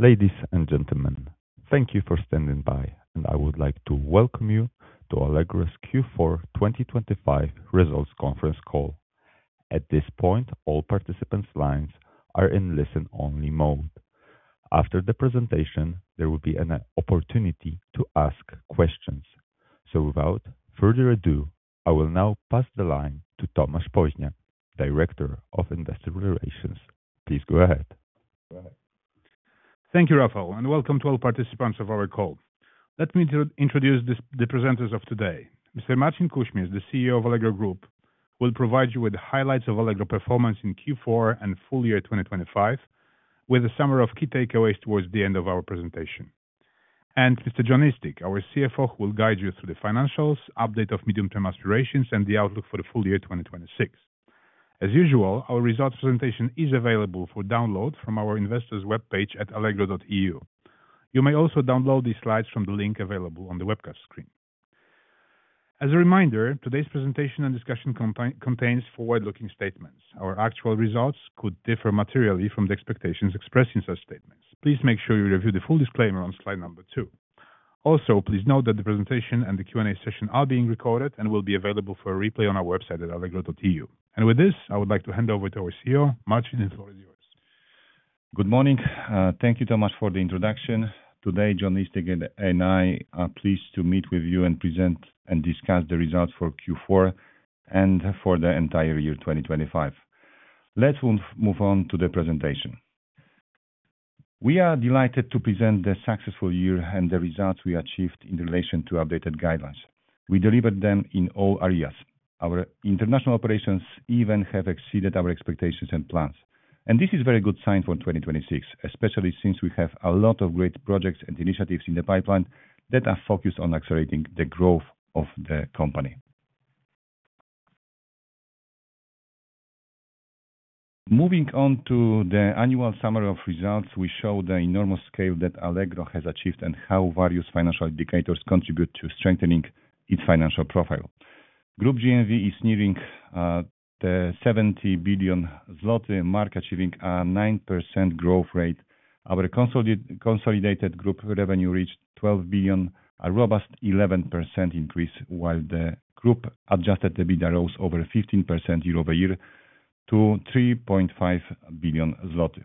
Ladies and gentlemen, thank you for standing by, and I would like to welcome you to Allegro's Q4 2025 results conference call. At this point, all participants' lines are in listen-only mode. After the presentation, there will be an opportunity to ask questions. Without further ado, I will now pass the line to Tomasz Poźniak, Director of Investor Relations. Please go ahead. Thank you, Rafał, and welcome to all participants of our call. Let me introduce the presenters of today. Mr. Marcin Kuśmierz, the CEO of Allegro Group, will provide you with the highlights of Allegro performance in Q4 and full year 2025, with a summary of key takeaways towards the end of our presentation. Mr. Jonathan Eastick, our CFO, will guide you through the financials, update of medium-term aspirations and the outlook for the full year 2026. As usual, our results presentation is available for download from our investors webpage at allegro.eu. You may also download these slides from the link available on the webcast screen. As a reminder, today's presentation and discussion contains forward-looking statements. Our actual results could differ materially from the expectations expressed in such statements. Please make sure you review the full disclaimer on slide number two. Also, please note that the presentation and the Q&A session are being recorded and will be available for replay on our website at allegro.eu. With this, I would like to hand over to our CEO. Marcin, the floor is yours. Good morning. Thank you, Tomasz, for the introduction. Today, Jonathan Eastick and I are pleased to meet with you and present and discuss the results for Q4 and for the entire year, 2025. Let's move on to the presentation. We are delighted to present the successful year and the results we achieved in relation to updated guidance. We delivered them in all areas. Our international operations even have exceeded our expectations and plans. This is very good sign for 2026, especially since we have a lot of great projects and initiatives in the pipeline that are focused on accelerating the growth of the company. Moving on to the annual summary of results, we show the enormous scale that Allegro has achieved and how various financial indicators contribute to strengthening its financial profile. Group GMV is nearing the 70 billion zloty mark, achieving a 9% growth rate. Our consolidated group revenue reached 12 billion, a robust 11% increase, while the group adjusted EBITDA rose over 15% year-over-year to 3.5 billion zloty.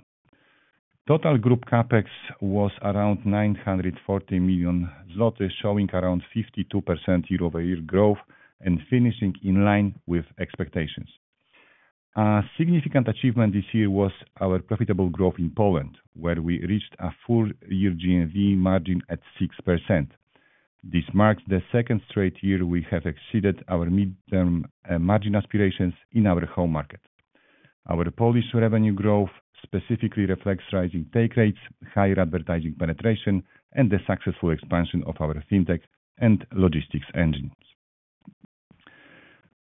Total group CapEx was around 940 million zloty, showing around 52% year-over-year growth and finishing in line with expectations. A significant achievement this year was our profitable growth in Poland, where we reached a full-year GMV margin at 6%. This marks the second straight year we have exceeded our midterm margin aspirations in our home market. Our Polish revenue growth specifically reflects rising take rates, higher advertising penetration, and the successful expansion of our FinTech and logistics engines.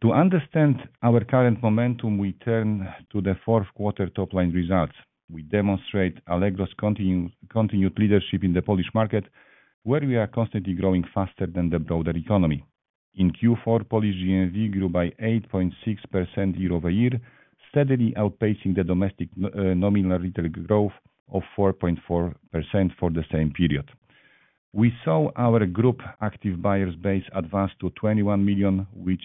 To understand our current momentum, we turn to the fourth quarter top-line results. We demonstrate Allegro's continued leadership in the Polish market, where we are constantly growing faster than the broader economy. In Q4, Polish GMV grew by 8.6% year-over-year, steadily outpacing the domestic nominal retail growth of 4.4% for the same period. We saw our group active buyers base advance to 21 million, which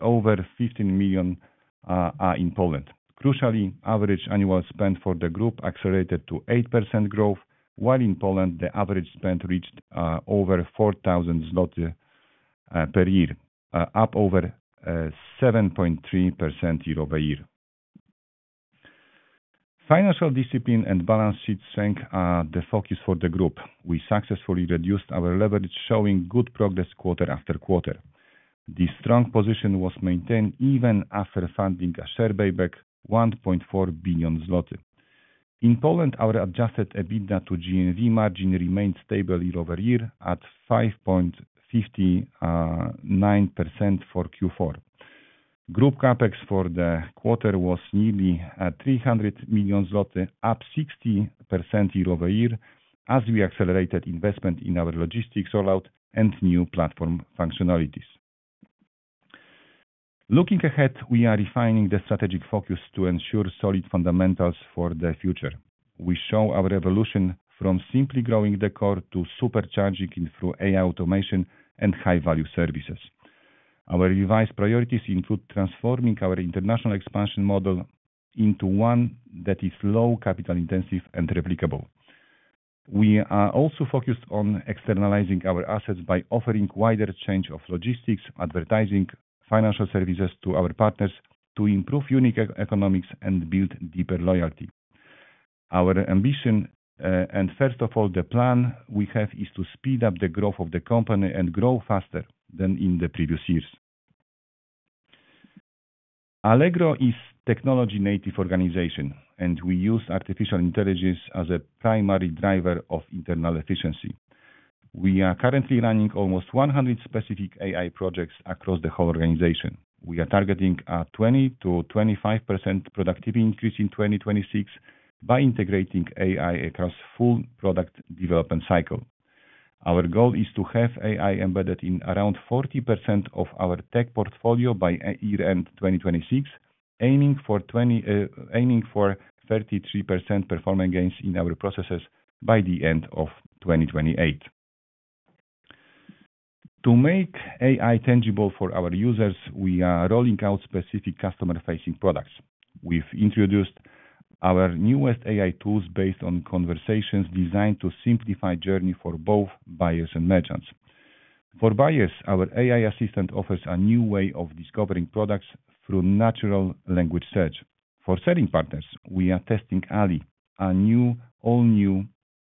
over 15 million are in Poland. Crucially, average annual spend for the group accelerated to 8% growth, while in Poland, the average spend reached over 4,000 zloty per year, up over 7.3% year-over-year. Financial discipline and balance sheet strength are the focus for the group. We successfully reduced our leverage, showing good progress quarter after quarter. This strong position was maintained even after funding a share buyback 1.4 billion zloty. In Poland, our adjusted EBITDA to GMV margin remained stable year-over-year at 5.59% for Q4. Group CapEx for the quarter was nearly 300 million zloty, up 60% year-over-year as we accelerated investment in our logistics rollout and new platform functionalities. Looking ahead, we are refining the strategic focus to ensure solid fundamentals for the future. We show our evolution from simply growing the core to supercharging it through AI automation and high-value services. Our revised priorities include transforming our international expansion model into one that is low capital intensive and replicable. We are also focused on externalizing our assets by offering wider range of logistics, advertising, financial services to our partners to improve unit economics and build deeper loyalty. Our ambition, and first of all, the plan we have, is to speed up the growth of the company and grow faster than in the previous years. Allegro is technology-native organization, and we use artificial intelligence as a primary driver of internal efficiency. We are currently running almost 100 specific AI projects across the whole organization. We are targeting a 20%-25% productivity increase in 2026 by integrating AI across full product development cycle. Our goal is to have AI embedded in around 40% of our tech portfolio by year-end, 2026, aiming for 33% performance gains in our processes by the end of 2028. To make AI tangible for our users, we are rolling out specific customer-facing products. We've introduced our newest AI tools based on conversations designed to simplify journey for both buyers and merchants. For buyers, our AI assistant offers a new way of discovering products through natural language search. For selling partners, we are testing Ally, a new, all-new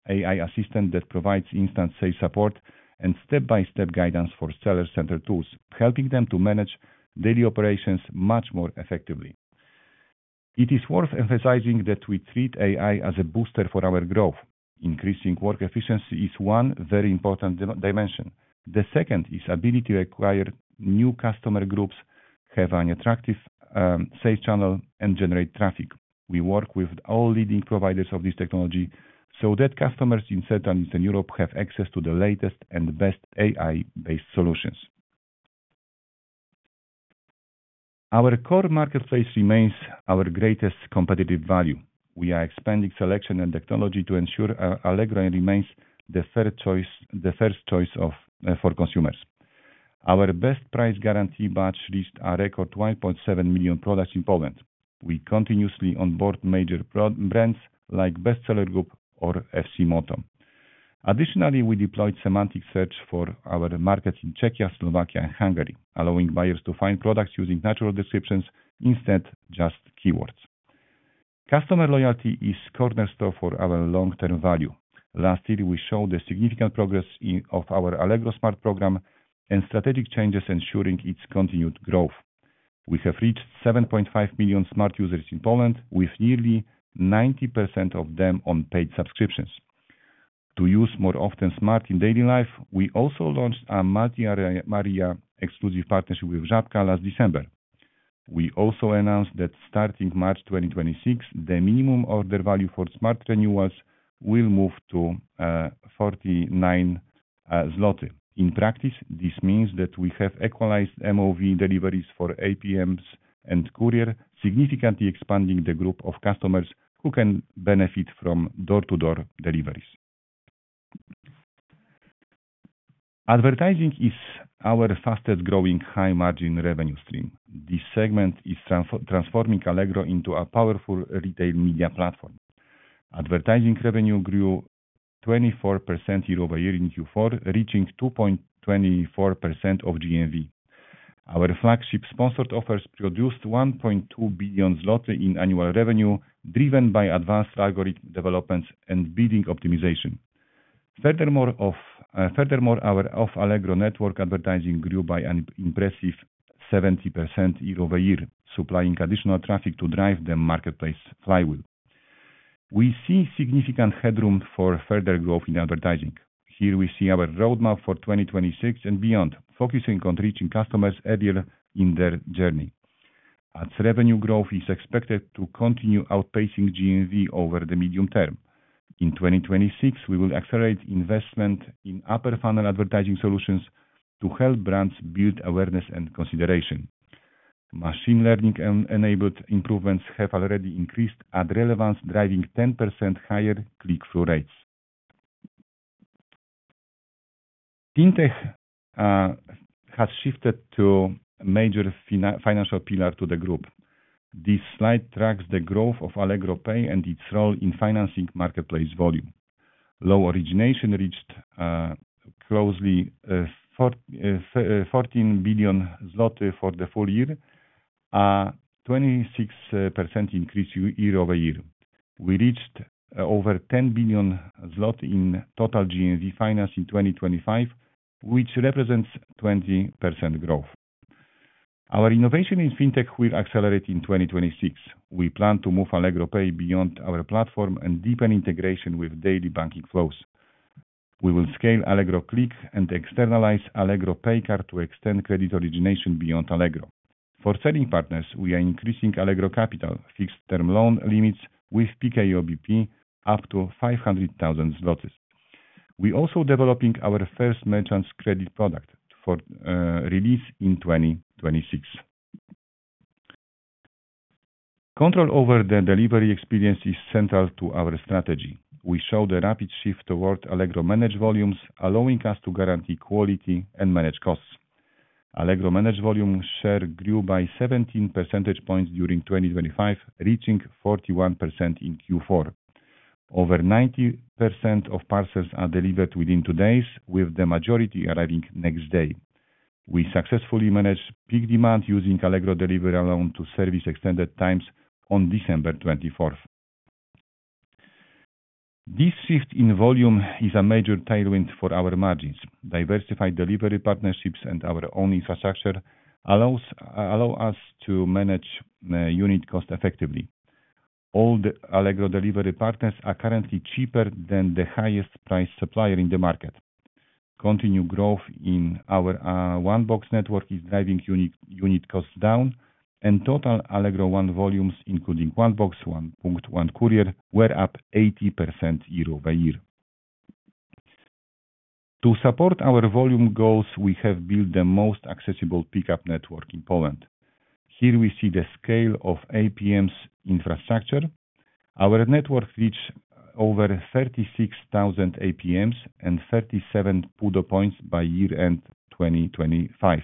AI assistant that provides instant sales support and step-by-step guidance for seller center tools, helping them to manage daily operations much more effectively. It is worth emphasizing that we treat AI as a booster for our growth. Increasing work efficiency is one very important dimension. The second is ability to acquire new customer groups, have an attractive, sales channel, and generate traffic. We work with all leading providers of this technology so that customers in Central and Eastern Europe have access to the latest and best AI-based solutions. Our core marketplace remains our greatest competitive value. We are expanding selection and technology to ensure Allegro remains the third choice, the first choice of for consumers. Our best price guarantee batch lists a record 1.7 million products in Poland. We continuously onboard major pro-brands like Bestseller or FC-Moto. Additionally, we deployed semantic search for our markets in Czechia, Slovakia, and Hungary, allowing buyers to find products using natural descriptions instead of just keywords. Customer loyalty is cornerstone for our long-term value. Last year, we showed the significant progress of our Allegro Smart! program and strategic changes ensuring its continued growth. We have reached 7.5 millions Smart! Users in Poland, with nearly 90% of them on paid subscriptions. To use more often Smart! in daily life, we also launched a multi-area, multi-year exclusive partnership with Żabka last December. We also announced that starting March 2026, the minimum order value for Smart! renewals will move to 49 zloty. In practice, this means that we have equalized MOV deliveries for APMs and courier, significantly expanding the group of customers who can benefit from door-to-door deliveries. Advertising is our fastest-growing high-margin revenue stream. This segment is transforming Allegro into a powerful retail media platform. Advertising revenue grew 24% year-over-year in Q4, reaching 2.24% of GMV. Our flagship sponsored offers produced 1.2 billion zloty in annual revenue, driven by advanced algorithm developments and bidding optimization. Furthermore, our off-Allegro network advertising grew by an impressive 70% year-over-year, supplying additional traffic to drive the marketplace flywheel. We see significant headroom for further growth in advertising. Here we see our roadmap for 2026 and beyond, focusing on reaching customers earlier in their journey. Ads revenue growth is expected to continue outpacing GMV over the medium term. In 2026, we will accelerate investment in upper funnel advertising solutions to help brands build awareness and consideration. Machine learning-enabled improvements have already increased ad relevance, driving 10% higher click-through rates. Fintech has shifted to a major financial pillar to the group. This slide tracks the growth of Allegro Pay and its role in financing marketplace volume. Loan origination reached close to 14 billion zloty for the full year, a 26% increase year-over-year. We reached over 10 billion zloty in total GMV finance in 2025, which represents 20% growth. Our innovation in Fintech will accelerate in 2026. We plan to move beyond our platform and deepen integration with daily banking flows. We will scale Allegro Click and externalize Allegro Pay Card to extend credit origination beyond Allegro. For selling partners, we are increasing Allegro Capital fixed-term loan limits with PKO BP up to 500,000 zlotys. We're also developing our first merchants credit product for release in 2026. Control over the delivery experience is central to our strategy. We show the rapid shift toward Allegro Managed Volumes, allowing us to guarantee quality and manage costs. Allegro Managed Volume share grew by 17 percentage points during 2025, reaching 41% in Q4. Over 90% of parcels are delivered within two days, with the majority arriving next day. We successfully managed peak demand using Allegro Delivery alone to service extended times on December 24. This shift in volume is a major tailwind for our margins. Diversified delivery partnerships and our own infrastructure allow us to manage unit cost effectively. All the Allegro delivery partners are currently cheaper than the highest priced supplier in the market. Continued growth in our One Box network is driving unit costs down and total Allegro One volumes, including One Box, One Punkt, One Courier, were up 80% year-over-year. To support our volume goals, we have built the most accessible pickup network in Poland. Here we see the scale of APM's infrastructure. Our network reaches over 36,000 APMs and 37 PUDO points by year-end 2025.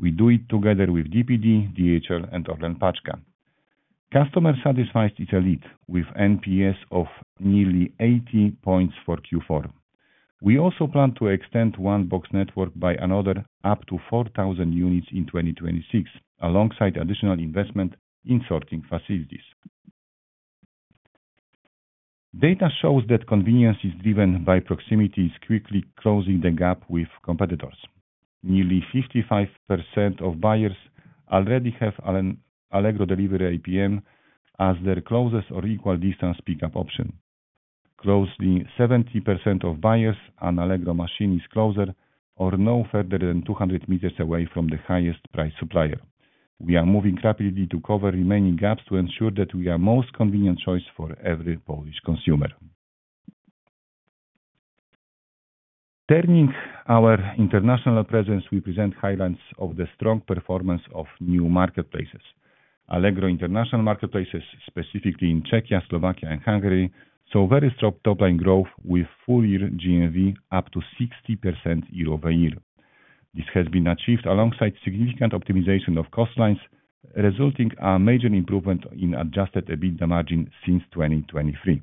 We do it together with DPD, DHL and ORLEN Paczka. Customer satisfaction is elite with NPS of nearly 80 points for Q4. We also plan to extend One Box network by another up to 4,000 units in 2026, alongside additional investment in sorting facilities. Data shows that convenience, driven by proximity, is quickly closing the gap with competitors. Nearly 55% of buyers already have Allegro Delivery APM as their closest or equal distance pickup option. Close to 70% of buyers, an Allegro machine is closer or no further than 200 meters away from the highest priced supplier. We are moving rapidly to cover remaining gaps to ensure that we are most convenient choice for every Polish consumer. Turning to our international presence, we present highlights of the strong performance of new marketplaces. Allegro International Marketplaces, specifically in Czechia, Slovakia and Hungary, saw very strong top line growth with full-year GMV up to 60% year-over-year. This has been achieved alongside significant optimization of cost lines, resulting in a major improvement in adjusted EBITDA margin since 2023.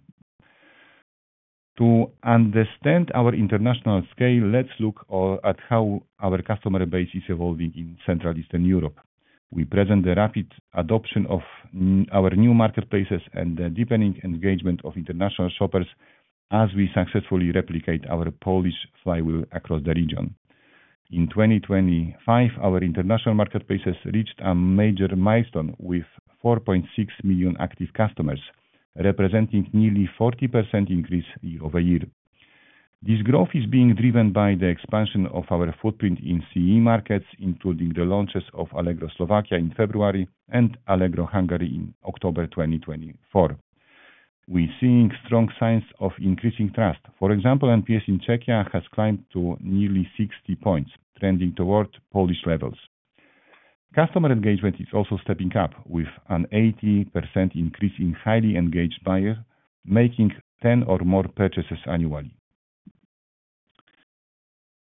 To understand our international scale, let's look at how our customer base is evolving in Central and Eastern Europe. We present the rapid adoption of our new marketplaces and the deepening engagement of international shoppers as we successfully replicate our Polish flywheel across the region. In 2025, our international marketplaces reached a major milestone with 4.6 million active customers, representing nearly 40% increase year-over-year. This growth is being driven by the expansion of our footprint in CE markets, including the launches of Allegro Slovakia in February and Allegro Hungary in October 2024. We're seeing strong signs of increasing trust. For example, NPS in Czechia has climbed to nearly 60 points, trending toward Polish levels. Customer engagement is also stepping up, with an 80% increase in highly engaged buyer making 10 or more purchases annually.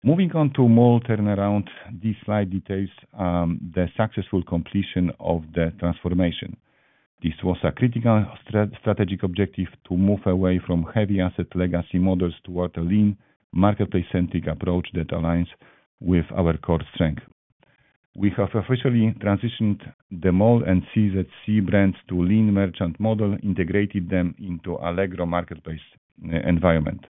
Moving on to Mall turnaround, this slide details the successful completion of the transformation. This was a critical strategic objective to move away from heavy asset legacy models toward a lean, marketplace-centric approach that aligns with our core strength. We have officially transitioned the Mall and CZC.cz brands to lean merchant model, integrated them into Allegro marketplace, environment.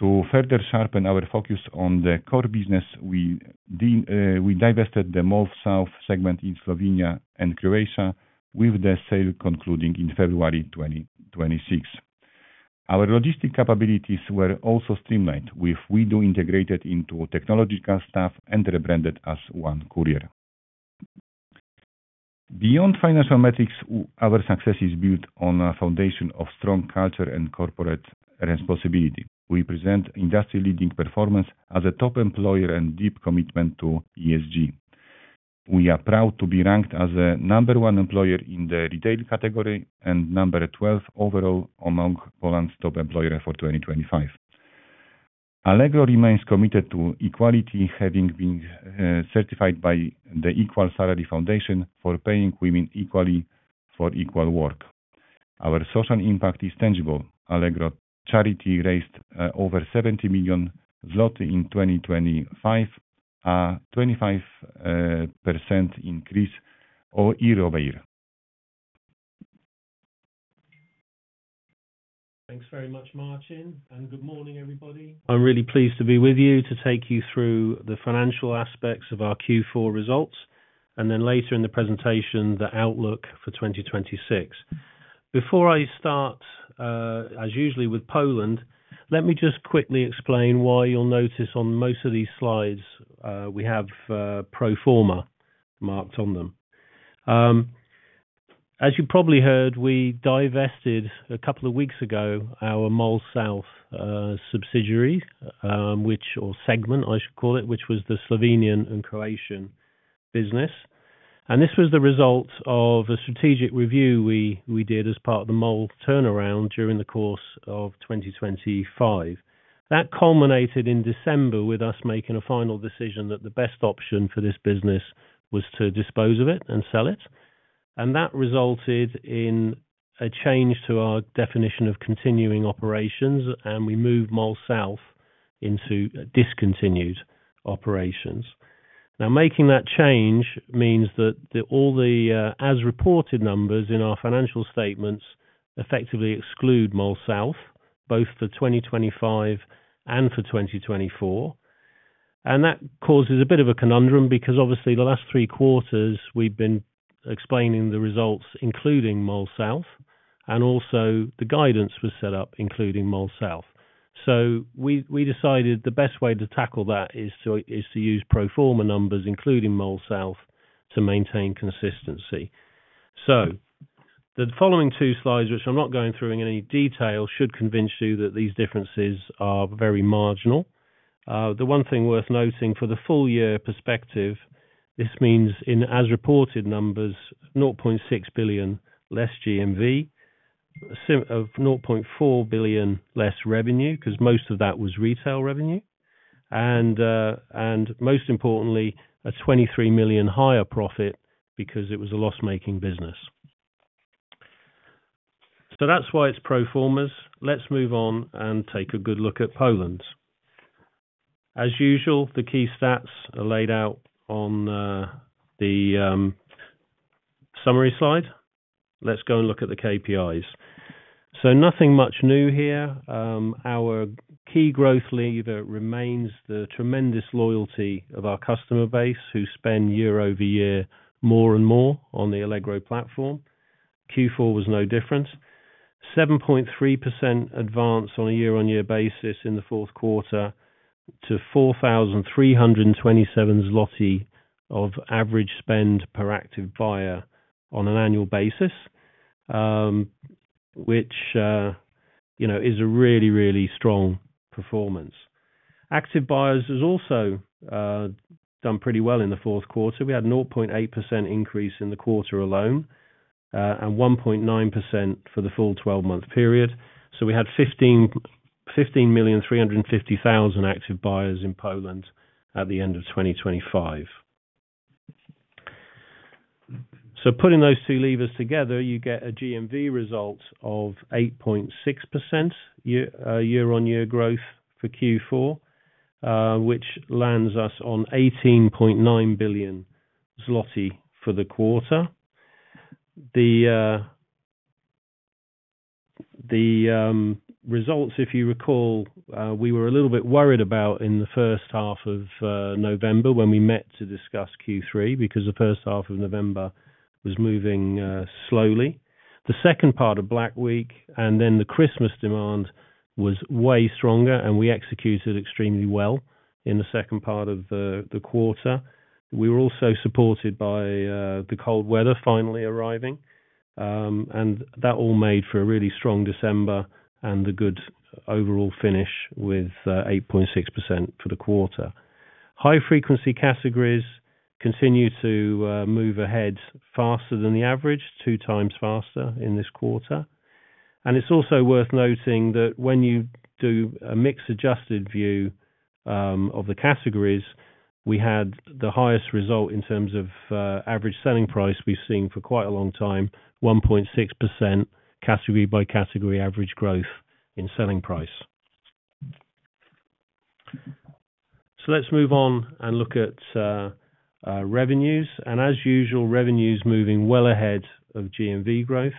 To further sharpen our focus on the core business, we divested the Mall South segment in Slovenia and Croatia with the sale concluding in February 2026. Our logistic capabilities were also streamlined with WE|DO integrated into technological stack and rebranded as One by Allegro. Beyond financial metrics, our success is built on a foundation of strong culture and corporate responsibility. We present industry-leading performance as a top employer and deep commitment to ESG. We are proud to be ranked as the number one employer in the retail category and number 12 overall among Poland's top employers for 2025. Allegro remains committed to equality, having been certified by the EQUAL-SALARY Foundation for paying women equally for equal work. Our social impact is tangible. Allegro Charytatywni raised over 70 million zloty in 2025, a 25% increase year-over-year. Thanks very much, Marcin, and good morning, everybody. I'm really pleased to be with you to take you through the financial aspects of our Q4 results, and then later in the presentation, the outlook for 2026. Before I start, as usual with Poland, let me just quickly explain why you'll notice on most of these slides, we have pro forma marked on them. As you probably heard, we divested a couple of weeks ago our Mall South subsidiary, or segment, I should call it, which was the Slovenian and Croatian business. This was the result of a strategic review we did as part of the Mall turnaround during the course of 2025. That culminated in December with us making a final decision that the best option for this business was to dispose of it and sell it. That resulted in a change to our definition of continuing operations, and we moved Mall South into discontinued operations. Now, making that change means that the as reported numbers in our financial statements effectively exclude Mall South, both for 2025 and for 2024. That causes a bit of a conundrum because obviously the last three quarters we've been explaining the results, including Mall South, and also the guidance was set up including Mall South. We decided the best way to tackle that is to use pro forma numbers, including Mall South, to maintain consistency. The following two slides, which I'm not going through in any detail, should convince you that these differences are very marginal. The one thing worth noting for the full year perspective, this means in as reported numbers, 0.6 billion less GMV, 0.4 billion less revenue, 'cause most of that was retail revenue. Most importantly, a 23 million higher profit because it was a loss-making business. That's why it's pro forma. Let's move on and take a good look at Poland. As usual, the key stats are laid out on the summary slide. Let's go and look at the KPIs. Nothing much new here. Our key growth lever remains the tremendous loyalty of our customer base, who spend year-over-year more and more on the Allegro platform. Q4 was no different. 7.3% advance on a year-on-year basis in the fourth quarter to 4,327 zloty of average spend per active buyer on an annual basis, which, you know, is a really, really strong performance. Active buyers has also done pretty well in the fourth quarter. We had 0.8% increase in the quarter alone, and 1.9% for the full twelve-month period. We had 15,350,000 active buyers in Poland at the end of 2025. Putting those two levers together, you get a GMV result of 8.6% year-on-year growth for Q4, which lands us on 18.9 billion zloty for the quarter. The results, if you recall, we were a little bit worried about in the first half of November when we met to discuss Q3, because the first half of November was moving slowly. The second part of Black Week and then the Christmas demand was way stronger, and we executed extremely well in the second part of the quarter. We were also supported by the cold weather finally arriving, and that all made for a really strong December and a good overall finish with 8.6% for the quarter. High-frequency categories continued to move ahead faster than the average, two times faster in this quarter. It's also worth noting that when you do a mix-adjusted view of the categories, we had the highest result in terms of average selling price we've seen for quite a long time, 1.6% category-by-category average growth in selling price. Let's move on and look at revenues. As usual, revenue's moving well ahead of GMV growth.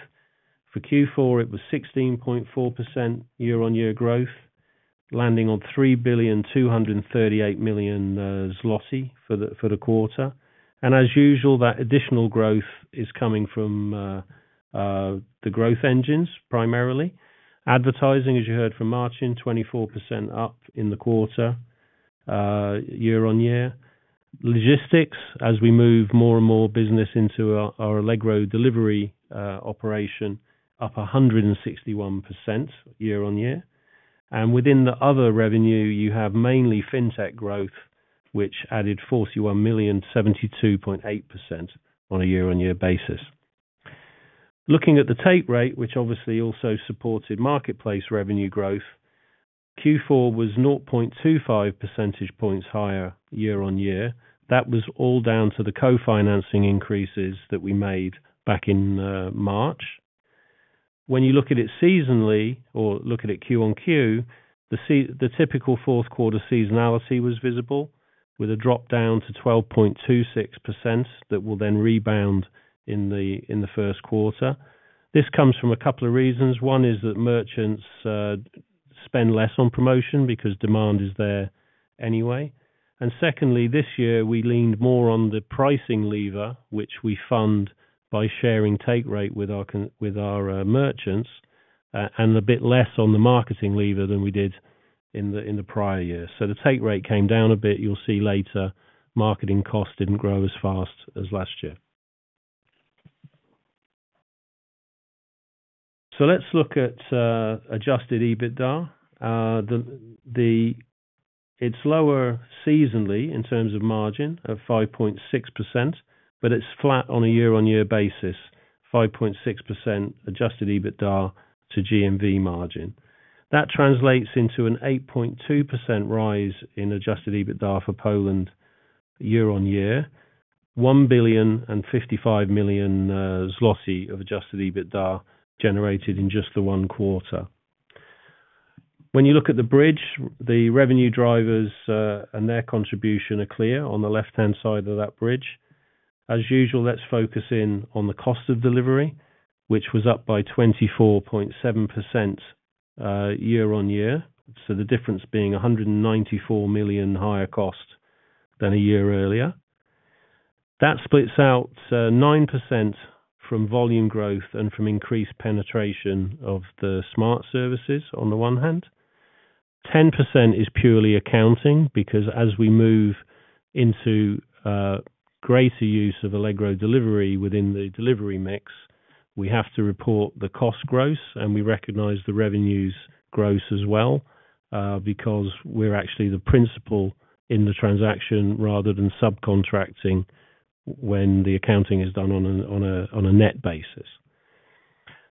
For Q4, it was 16.4% year-on-year growth, landing on 3,238 million zloty for the quarter. As usual, that additional growth is coming from the growth engines, primarily. Advertising, as you heard from Marcin, 24% up in the quarter, year on year. Logistics, as we move more and more business into our Allegro Delivery operation, up 161% year on year. Within the other revenue, you have mainly fintech growth, which added 41 million, 72.8% on a year-on-year basis. Looking at the take rate, which obviously also supported marketplace revenue growth, Q4 was 0.25 percentage points higher year-on-year. That was all down to the co-financing increases that we made back in March. When you look at it seasonally or look at it Q-on-Q, the typical fourth quarter seasonality was visible, with a drop down to 12.26% that will then rebound in the first quarter. This comes from a couple of reasons. One is that merchants spend less on promotion because demand is there anyway. Secondly, this year we leaned more on the pricing lever, which we fund by sharing take rate with our merchants, and a bit less on the marketing lever than we did in the prior year. The take rate came down a bit. You'll see later, marketing cost didn't grow as fast as last year. Let's look at adjusted EBITDA. It's lower seasonally in terms of margin of 5.6%, but it's flat on a year-on-year basis. 5.6% adjusted EBITDA to GMV margin. That translates into an 8.2% rise in adjusted EBITDA for Poland year-on-year. 1.055 billion of adjusted EBITDA generated in just the one quarter. When you look at the bridge, the revenue drivers, and their contribution are clear on the left-hand side of that bridge. As usual, let's focus in on the cost of delivery, which was up by 24.7%, year-on-year. The difference being 194 million higher cost than a year earlier. That splits out to 9% from volume growth and from increased penetration of the Smart! services on the one hand. 10% is purely accounting because as we move into greater use of Allegro Delivery within the delivery mix, we have to report the cost gross, and we recognize the revenues gross as well, because we're actually the principal in the transaction rather than subcontracting when the accounting is done on a net basis.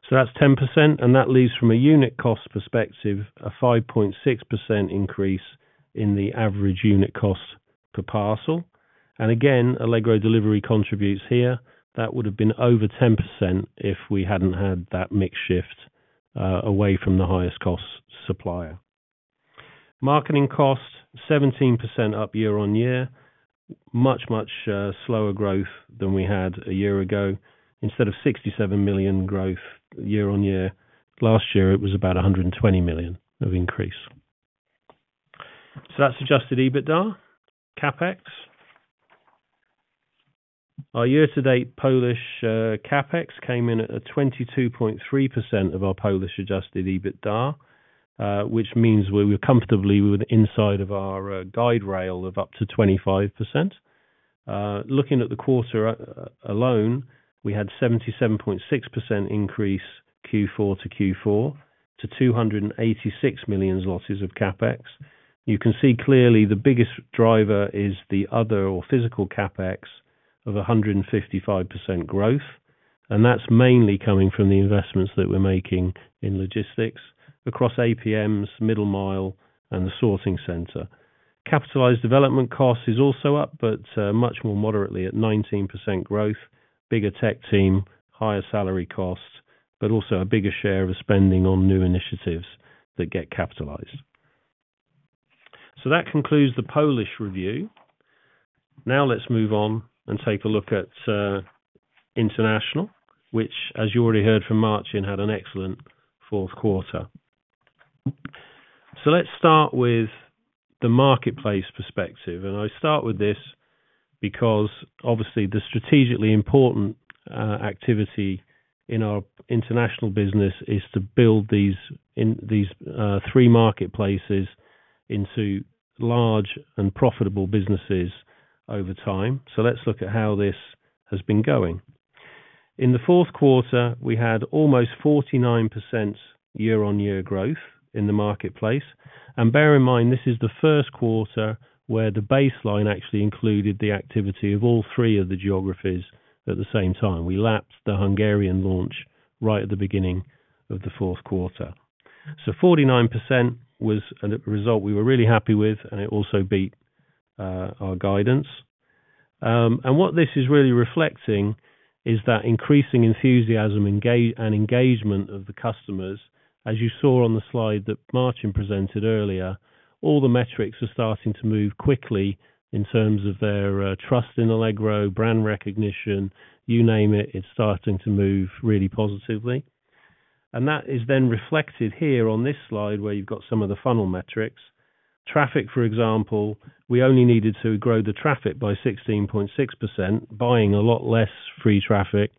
That's 10%, and that leaves from a unit cost perspective a 5.6% increase in the average unit cost per parcel. Again, Allegro Delivery contributes here. That would have been over 10% if we hadn't had that mix shift away from the highest cost supplier. Marketing costs, 17% up year-on-year. Much, much slower growth than we had a year ago. Instead of 67 million growth year-on-year, last year it was about 120 million of increase. That's adjusted EBITDA CapEx. Our year-to-date Polish CapEx came in at 22.3% of our Polish adjusted EBITDA, which means we're comfortably within inside of our guardrail of up to 25%. Looking at the quarter alone, we had 77.6% increase Q4 to Q4 to 286 million zlotys of CapEx. You can see clearly the biggest driver is the other or physical CapEx of 155% growth, and that's mainly coming from the investments that we're making in logistics across APMs, middle mile, and the sorting center. Capitalized development cost is also up, but much more moderately at 19% growth. Bigger tech team, higher salary costs, but also a bigger share of spending on new initiatives that get capitalized. That concludes the Polish review. Now let's move on and take a look at international, which as you already heard from Marcin, had an excellent fourth quarter. Let's start with the marketplace perspective. I start with this because obviously the strategically important activity in our international business is to build these three marketplaces into large and profitable businesses over time. Let's look at how this has been going. In the fourth quarter, we had almost 49% year-on-year growth in the marketplace. Bear in mind, this is the first quarter where the baseline actually included the activity of all three of the geographies at the same time. We lapsed the Hungarian launch right at the beginning of the fourth quarter. 49% was a result we were really happy with, and it also beat our guidance. What this is really reflecting is that increasing enthusiasm and engagement of the customers, as you saw on the slide that Marcin presented earlier, all the metrics are starting to move quickly in terms of their trust in Allegro, brand recognition. You name it's starting to move really positively. That is then reflected here on this slide where you've got some of the funnel metrics. Traffic, for example, we only needed to grow the traffic by 16.6%, buying a lot less paid traffic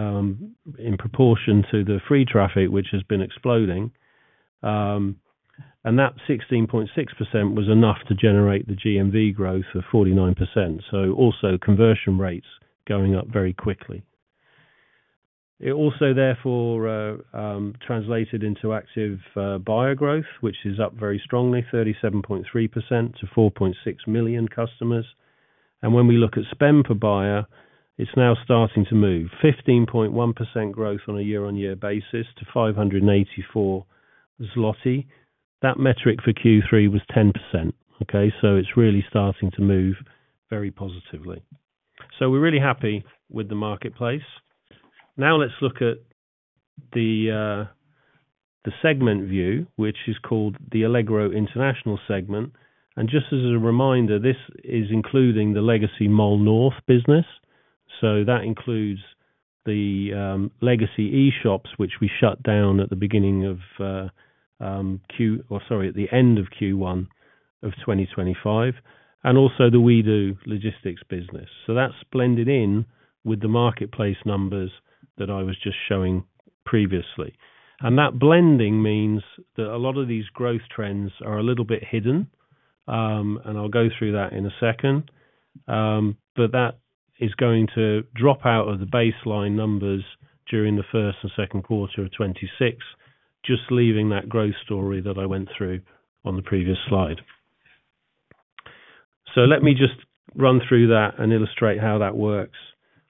in proportion to the free traffic which has been exploding. That 16.6% was enough to generate the GMV growth of 49%. Also conversion rates going up very quickly. It also therefore translated into active buyer growth, which is up very strongly, 37.3% to 4.6 million customers. When we look at spend per buyer, it's now starting to move. 15.1% growth on a year-on-year basis to 584 zloty. That metric for Q3 was 10%. Okay. It's really starting to move very positively. We're really happy with the marketplace. Now let's look at the segment view, which is called the Allegro International segment. Just as a reminder, this is including the legacy Mall North business. That includes the Legacy e-shops, which we shut down at the end of Q1 of 2025, and also the WeDo Logistics business. That's blended in with the marketplace numbers that I was just showing previously. That blending means that a lot of these growth trends are a little bit hidden, and I'll go through that in a second. That is going to drop out of the baseline numbers during the first and second quarter of 2026, just leaving that growth story that I went through on the previous slide. Let me just run through that and illustrate how that works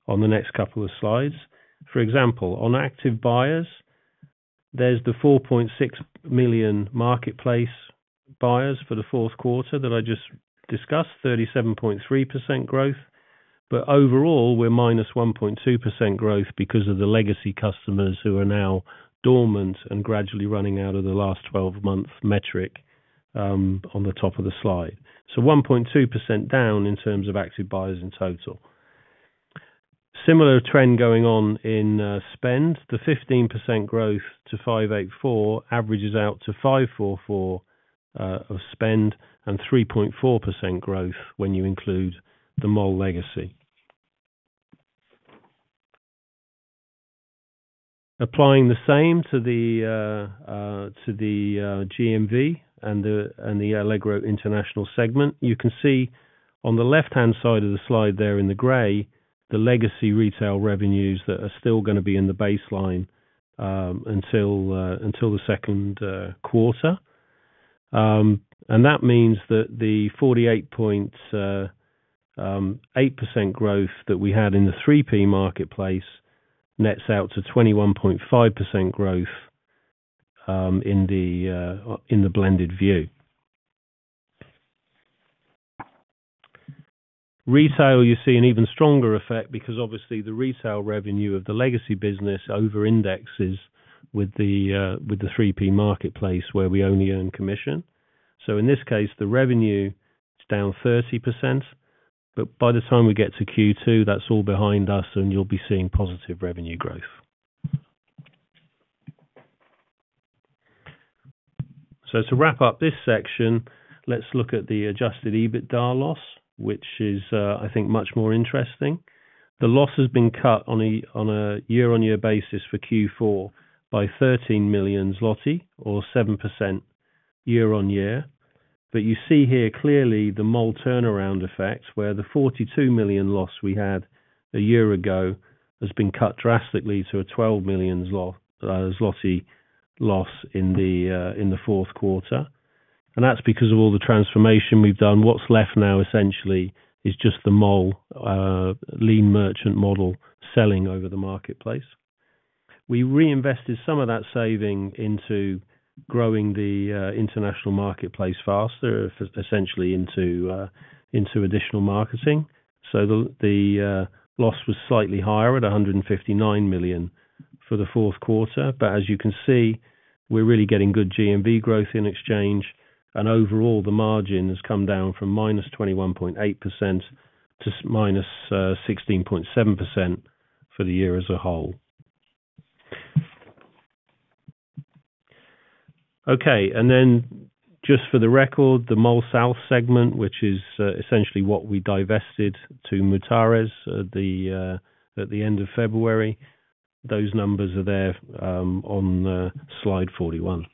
on the next couple of slides. For example, on active buyers, there's the 4.6 million marketplace buyers for the fourth quarter that I just discussed, 37.3% growth. Overall, we're -1.2% growth because of the legacy customers who are now dormant and gradually running out of the last twelve-month metric, on the top of the slide. 1.2% down in terms of active buyers in total. Similar trend going on in spend. The 15% growth to 584 averages out to 544 of spend and 3.4% growth when you include the Mall legacy. Applying the same to the GMV and the Allegro International segment, you can see on the left-hand side of the slide there in the gray, the legacy retail revenues that are still gonna be in the baseline until the second quarter. That means that the 48.8% growth that we had in the 3P marketplace nets out to 21.5% growth in the blended view. Retail, you see an even stronger effect because obviously the retail revenue of the legacy business over-indexes with the 3P marketplace where we only earn commission. In this case, the revenue is down 30%, but by the time we get to Q2, that's all behind us and you'll be seeing positive revenue growth. To wrap up this section, let's look at the adjusted EBITDA loss, which is, I think much more interesting. The loss has been cut on a year-on-year basis for Q4 by 13 million zloty or 7% year-on-year. You see here clearly the Mall turnaround effect, where the 42 million loss we had a year ago has been cut drastically to a 12 million zloty loss in the fourth quarter. That's because of all the transformation we've done. What's left now essentially is just the Mall lean merchant model selling over the marketplace. We reinvested some of that saving into growing the international marketplace faster, essentially into additional marketing. The loss was slightly higher at 159 million for the fourth quarter. As you can see, we're really getting good GMV growth in exchange, and overall, the margin has come down from minus 21.8% to -16.7% for the year as a whole. Just for the record, the Mall South segment, which is essentially what we divested to Mutares at the end of February, those numbers are there on slide 41.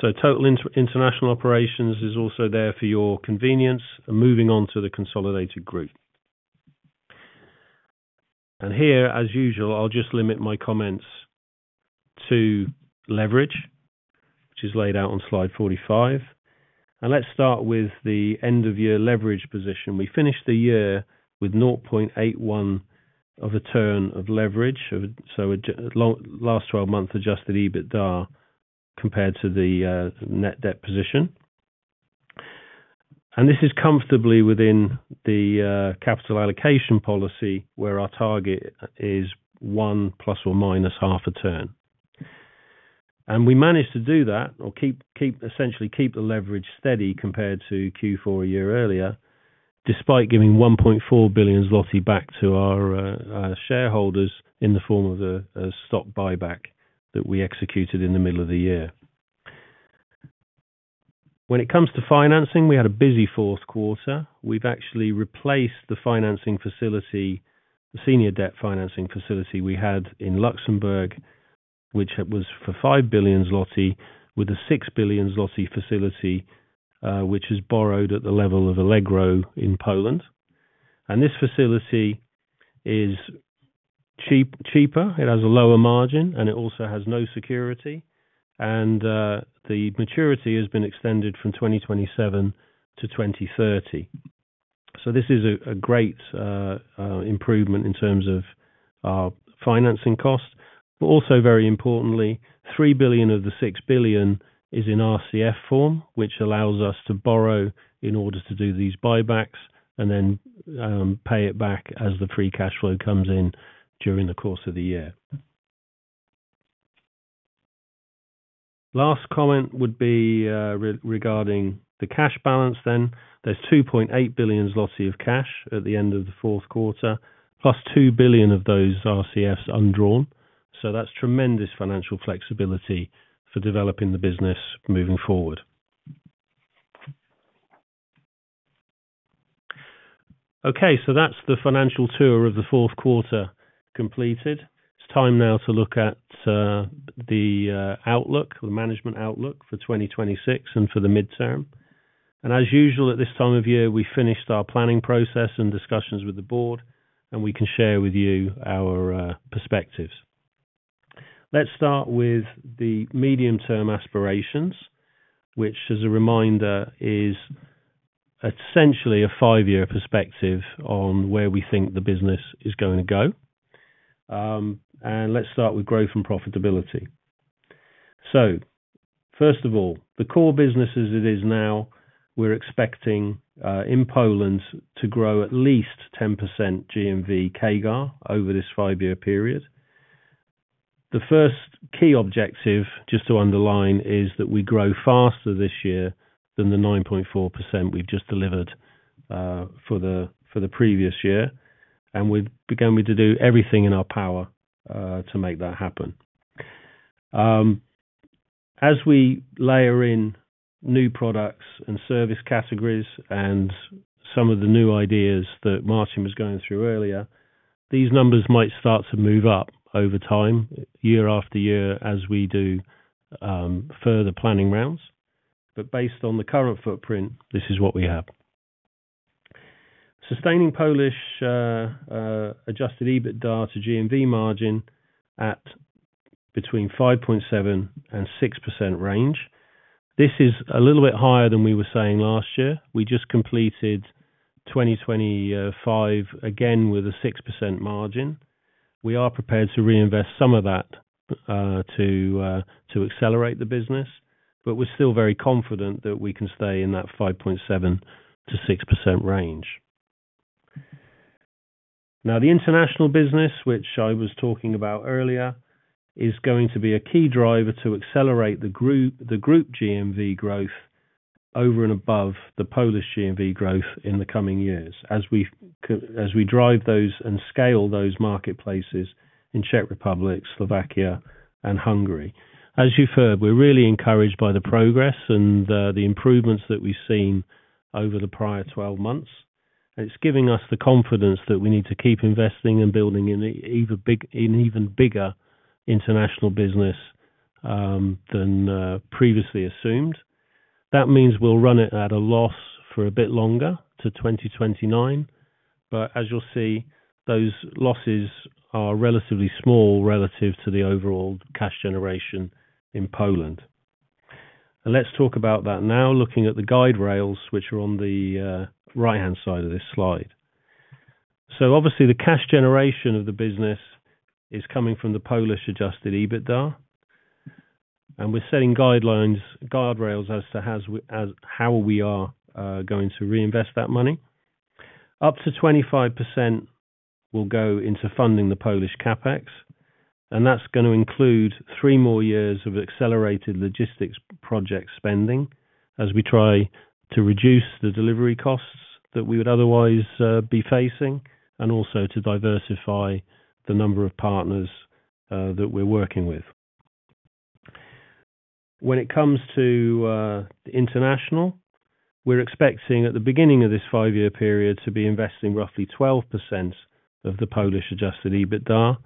Total international operations is also there for your convenience. Moving on to the consolidated group. Here, as usual, I'll just limit my comments to leverage, which is laid out on slide 45. Let's start with the end-of-year leverage position. We finished the year with 0.81 of a turn of leverage, so it last 12-month adjusted EBITDA compared to the net debt position. This is comfortably within the capital allocation policy, where our target is on 1 +or - half a turn. We managed to do that or keep, essentially keep the leverage steady compared to Q4 a year earlier, despite giving 1.4 billion zloty back to our shareholders in the form of a stock buyback that we executed in the middle of the year. When it comes to financing, we had a busy fourth quarter. We've actually replaced the financing facility, the senior debt financing facility we had in Luxembourg, which was for 5 billion zloty, with a 6 billion zloty facility, which is borrowed at the level of Allegro in Poland. This facility is cheaper, it has a lower margin, and it also has no security. The maturity has been extended from 2027 to 2030. This is a great improvement in terms of financing costs. Also, very importantly, 3 billion of the 6 billion is in RCF form, which allows us to borrow in order to do these buybacks and then pay it back as the free cash flow comes in during the course of the year. Last comment would be regarding the cash balance then. There's 2.8 billion zloty of cash at the end of the fourth quarter, + 2 billion of those RCFs undrawn. That's tremendous financial flexibility for developing the business moving forward. Okay, that's the financial tour of the fourth quarter completed. It's time now to look at the outlook, the management outlook for 2026 and for the midterm. As usual at this time of year, we finished our planning process and discussions with the board, and we can share with you our perspectives. Let's start with the medium-term aspirations, which as a reminder, is essentially a five-year perspective on where we think the business is going to go. Let's start with growth and profitability. First of all, the core business as it is now, we're expecting in Poland to grow at least 10% GMV CAGR over this five-year period. The first key objective, just to underline, is that we grow faster this year than the 9.4% we've just delivered for the previous year, and we've begun to do everything in our power to make that happen. As we layer in new products and service categories and some of the new ideas that Marcin was going through earlier, these numbers might start to move up over time, year after year, as we do further planning rounds. Based on the current footprint, this is what we have. Sustaining Polish adjusted EBITDA to GMV margin at between 5.7% and 6% range. This is a little bit higher than we were saying last year. We just completed 2025 again with a 6% margin. We are prepared to reinvest some of that to accelerate the business, but we're still very confident that we can stay in that 5.7%-6% range. Now, the international business, which I was talking about earlier, is going to be a key driver to accelerate the group GMV growth over and above the Polish GMV growth in the coming years as we drive those and scale those marketplaces in Czech Republic, Slovakia, and Hungary. As you've heard, we're really encouraged by the progress and the improvements that we've seen over the prior 12 months. It's giving us the confidence that we need to keep investing and building an even bigger international business than previously assumed. That means we'll run it at a loss for a bit longer to 2029. As you'll see, those losses are relatively small relative to the overall cash generation in Poland. Let's talk about that now, looking at the guardrails, which are on the right-hand side of this slide. Obviously, the cash generation of the business is coming from the Polish adjusted EBITDA, and we're setting guidelines, guardrails as to how we are going to reinvest that money. Up to 25% will go into funding the Polish CapEx, and that's gonna include three more years of accelerated logistics project spending as we try to reduce the delivery costs that we would otherwise be facing, and also to diversify the number of partners that we're working with. When it comes to international, we're expecting at the beginning of this five-year period to be investing roughly 12% of the Polish adjusted EBITDA.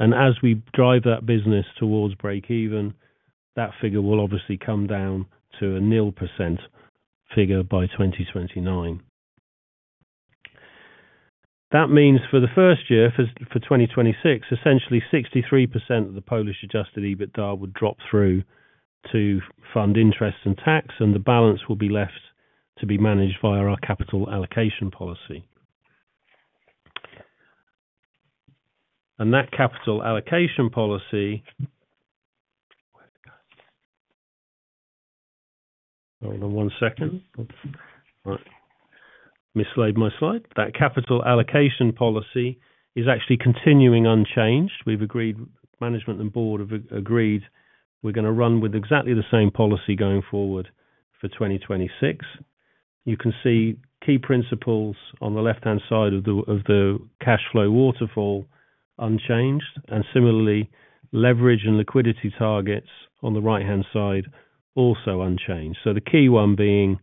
As we drive that business towards breakeven, that figure will obviously come down to a 0% figure by 2029. That means for the first year, for 2026, essentially 63% of the Polish adjusted EBITDA would drop through to fund interest and tax, and the balance will be left to be managed via our capital allocation policy. That capital allocation policy. Hold on one second. Oops. All right. Mislaid my slide. That capital allocation policy is actually continuing unchanged. We've agreed, management and board have agreed we're gonna run with exactly the same policy going forward for 2026. You can see key principles on the left-hand side of the cash flow waterfall unchanged and similarly, leverage and liquidity targets on the right-hand side also unchanged. The key one being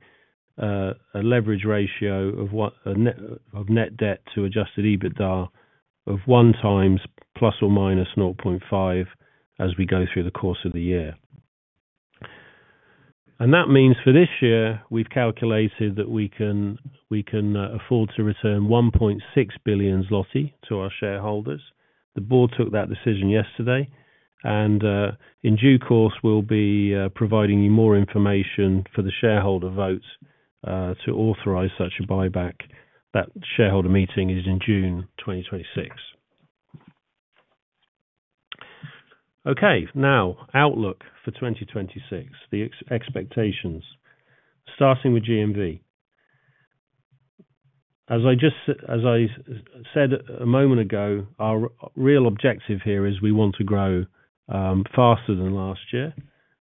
a leverage ratio of net debt to adjusted EBITDA of 1x ±0.5 as we go through the course of the year. That means for this year, we've calculated that we can afford to return 1.6 billion zloty to our shareholders. The board took that decision yesterday, and in due course, we'll be providing you more information for the shareholder vote to authorize such a buyback. That shareholder meeting is in June 2026. Okay, now outlook for 2026, the expectations, starting with GMV. As I just said a moment ago, our real objective here is we want to grow faster than last year,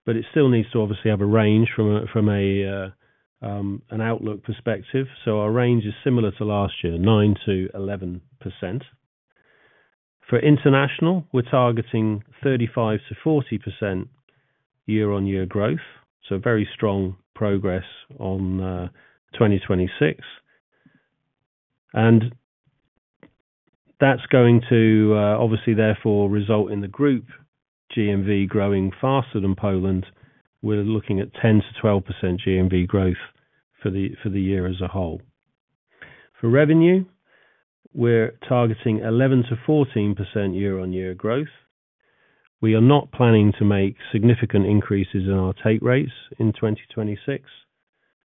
but it still needs to obviously have a range from an outlook perspective. So our range is similar to last year, 9%-11%. For international, we're targeting 35%-40% year-on-year growth. So very strong progress on 2026. That's going to obviously therefore result in the group GMV growing faster than Poland. We're looking at 10%-12% GMV growth for the year as a whole. For revenue, we're targeting 11%-14% year-on-year growth. We are not planning to make significant increases in our take rates in 2026.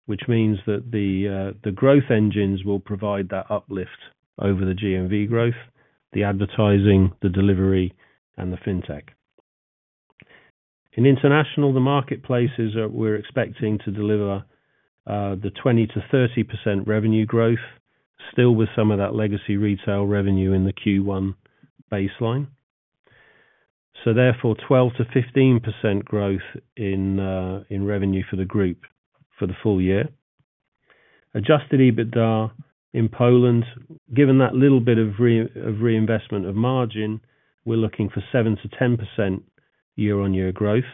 Which means that the growth engines will provide that uplift over the GMV growth, the advertising, the delivery, and the fintech. In international, the marketplaces, we're expecting to deliver the 20%-30% revenue growth still with some of that legacy retail revenue in the Q1 baseline. Therefore, 12%-15% growth in revenue for the group for the full year. Adjusted EBITDA in Poland, given that little bit of reinvestment of margin, we're looking for 7%-10% year-on-year growth.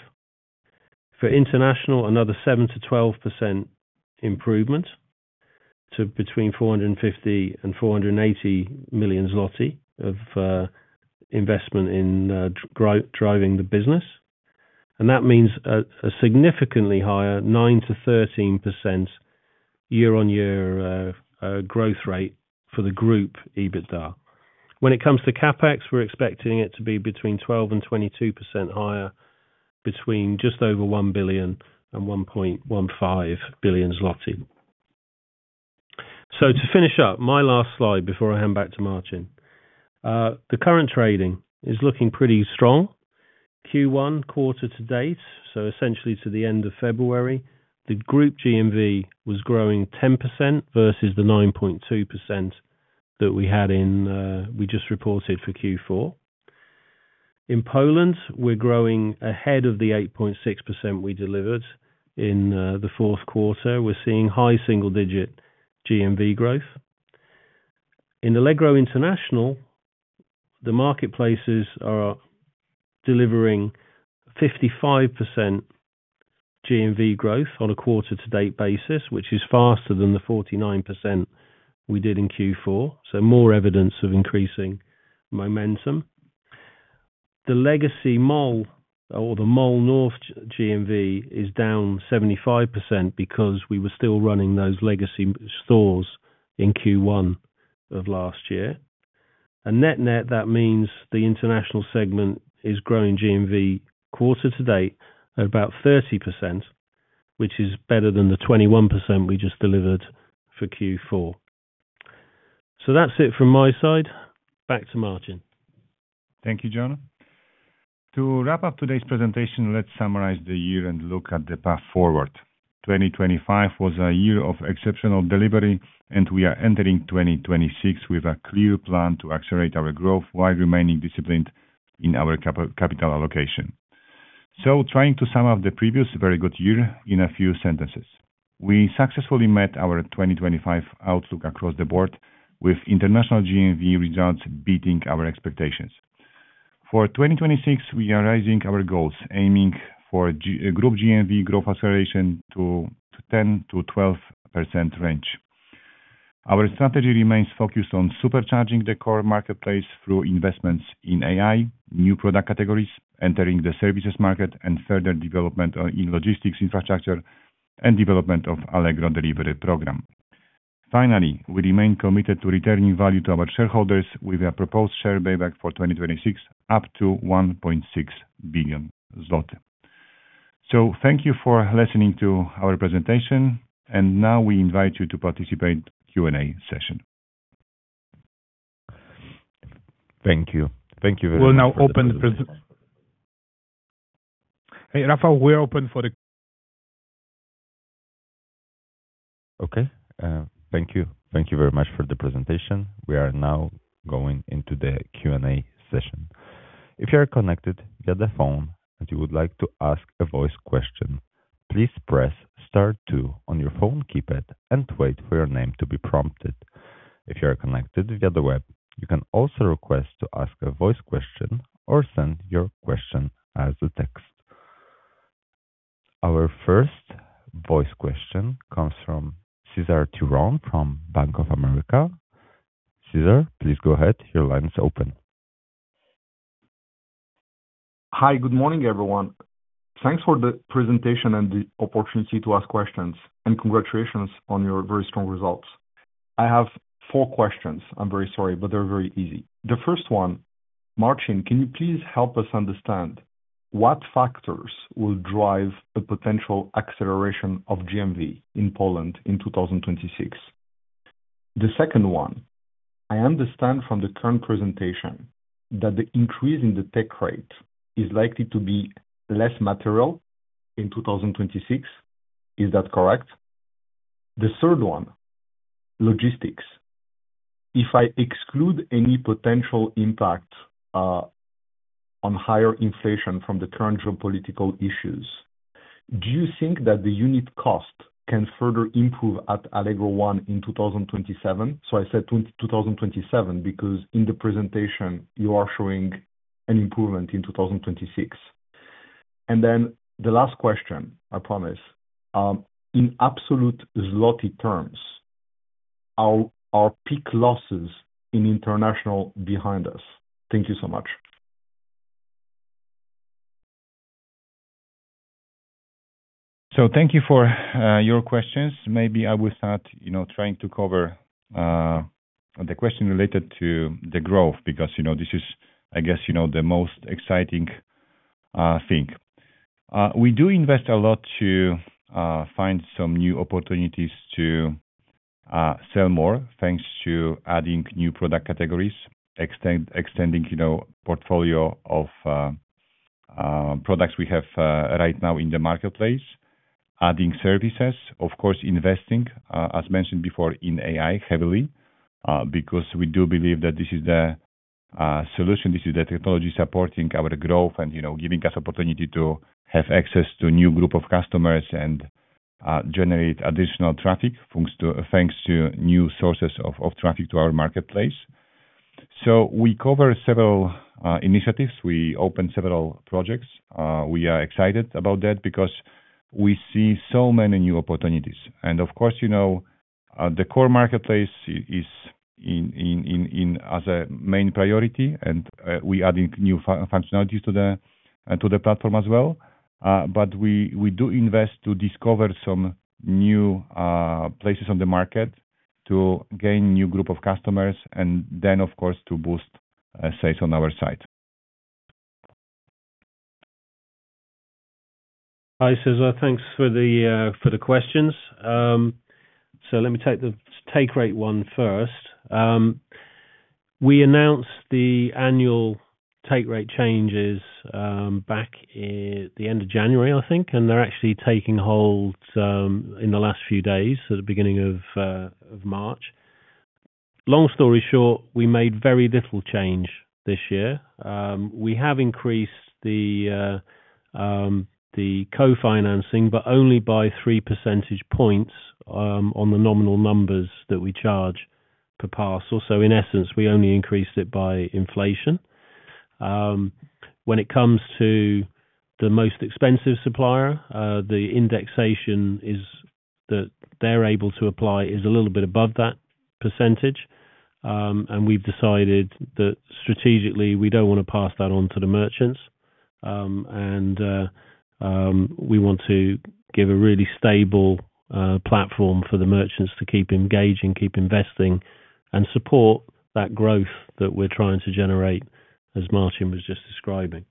For international, another 7%-12% improvement to between 450 million and 480 million zloty of investment in driving the business. That means a significantly higher 9%-13% year-on-year growth rate for the group EBITDA. When it comes to CapEx, we're expecting it to be between 12%-22% higher, between just over 1 billion and 1.15 billion zloty. To finish up, my last slide before I hand back to Marcin. The current trading is looking pretty strong. Q1 quarter to date, so essentially to the end of February, the group GMV was growing 10% versus the 9.2% that we had in, we just reported for Q4. In Poland, we're growing ahead of the 8.6% we delivered in the fourth quarter. We're seeing high single-digit GMV growth. In Allegro International, the marketplaces are delivering 55% GMV growth on a quarter to date basis, which is faster than the 49% we did in Q4. More evidence of increasing momentum. The legacy Mall or the Mall North GMV is down 75% because we were still running those legacy stores in Q1 of last year. Net-net, that means the international segment is growing GMV quarter to date at about 30%, which is better than the 21% we just delivered for Q4. That's it from my side. Back to Marcin. Thank you, Jon. To wrap up today's presentation, let's summarize the year and look at the path forward. 2025 was a year of exceptional delivery, and we are entering 2026 with a clear plan to accelerate our growth while remaining disciplined in our capital allocation. Trying to sum up the previous very good year in a few sentences. We successfully met our 2025 outlook across the board with international GMV results beating our expectations. For 2026, we are raising our goals, aiming for group GMV growth acceleration to 10%-12% range. Our strategy remains focused on supercharging the core marketplace through investments in AI, new product categories, entering the services market, and further development in logistics infrastructure and development of Allegro Delivery program. Finally, we remain committed to returning value to our shareholders with a proposed share buyback for 2026, up to 1.6 billion zloty. Thank you for listening to our presentation, and now we invite you to participate Q&A session. Thank you. Thank you very much for the presentation. Hey, Rafał, we're open for the. Okay. Thank you. Thank you very much for the presentation. We are now going into the Q&A session. If you are connected via the phone, and you would like to ask a voice question, please press star two on your phone keypad and wait for your name to be prompted. If you are connected via the web, you can also request to ask a voice question or send your question as a text. Our first voice question comes from Cezar Tiron from Bank of America. Cesar, please go ahead. Your line is open. Hi. Good morning, everyone. Thanks for the presentation and the opportunity to ask questions, and congratulations on your very strong results. I have four questions. I'm very sorry, but they're very easy. The first one, Marcin, can you please help us understand what factors will drive the potential acceleration of GMV in Poland in 2026? The second one, I understand from the current presentation that the increase in the tech rate is likely to be less material in 2026. Is that correct? The third one, logistics. If I exclude any potential impact on higher inflation from the current geopolitical issues, do you think that the unit cost can further improve at Allegro One in 2027? I said 2027 because in the presentation you are showing an improvement in 2026. The last question, I promise. In absolute zloty terms, are peak losses in international behind us? Thank you so much. Thank you for your questions. Maybe I will start, you know, trying to cover the question related to the growth because, you know, this is, I guess, you know, the most exciting thing. We do invest a lot to find some new opportunities to sell more, thanks to adding new product categories, extending, you know, portfolio of products we have right now in the marketplace, adding services. Of course, investing as mentioned before in AI heavily because we do believe that this is the solution, this is the technology supporting our growth and, you know, giving us opportunity to have access to a new group of customers and generate additional traffic thanks to new sources of traffic to our marketplace. We cover several initiatives. We open several projects. We are excited about that because we see so many new opportunities. Of course, you know, the core marketplace is in as a main priority, and we adding new functionalities to the platform as well. We do invest to discover some new places on the market to gain new group of customers and then, of course, to boost sales on our site. Hi, Cezar. Thanks for the questions. Let me take the take rate one first. We announced the annual take rate changes back in the end of January, I think, and they're actually taking hold in the last few days at the beginning of March. Long story short, we made very little change this year. We have increased the co-financing, but only by three percentage points on the nominal numbers that we charge per parcel. In essence, we only increased it by inflation. When it comes to the most expensive supplier, the indexation is that they're able to apply is a little bit above that percentage, and we've decided that strategically we don't wanna pass that on to the merchants. We want to give a really stable platform for the merchants to keep engaging, keep investing, and support that growth that we're trying to generate as Marcin was just describing.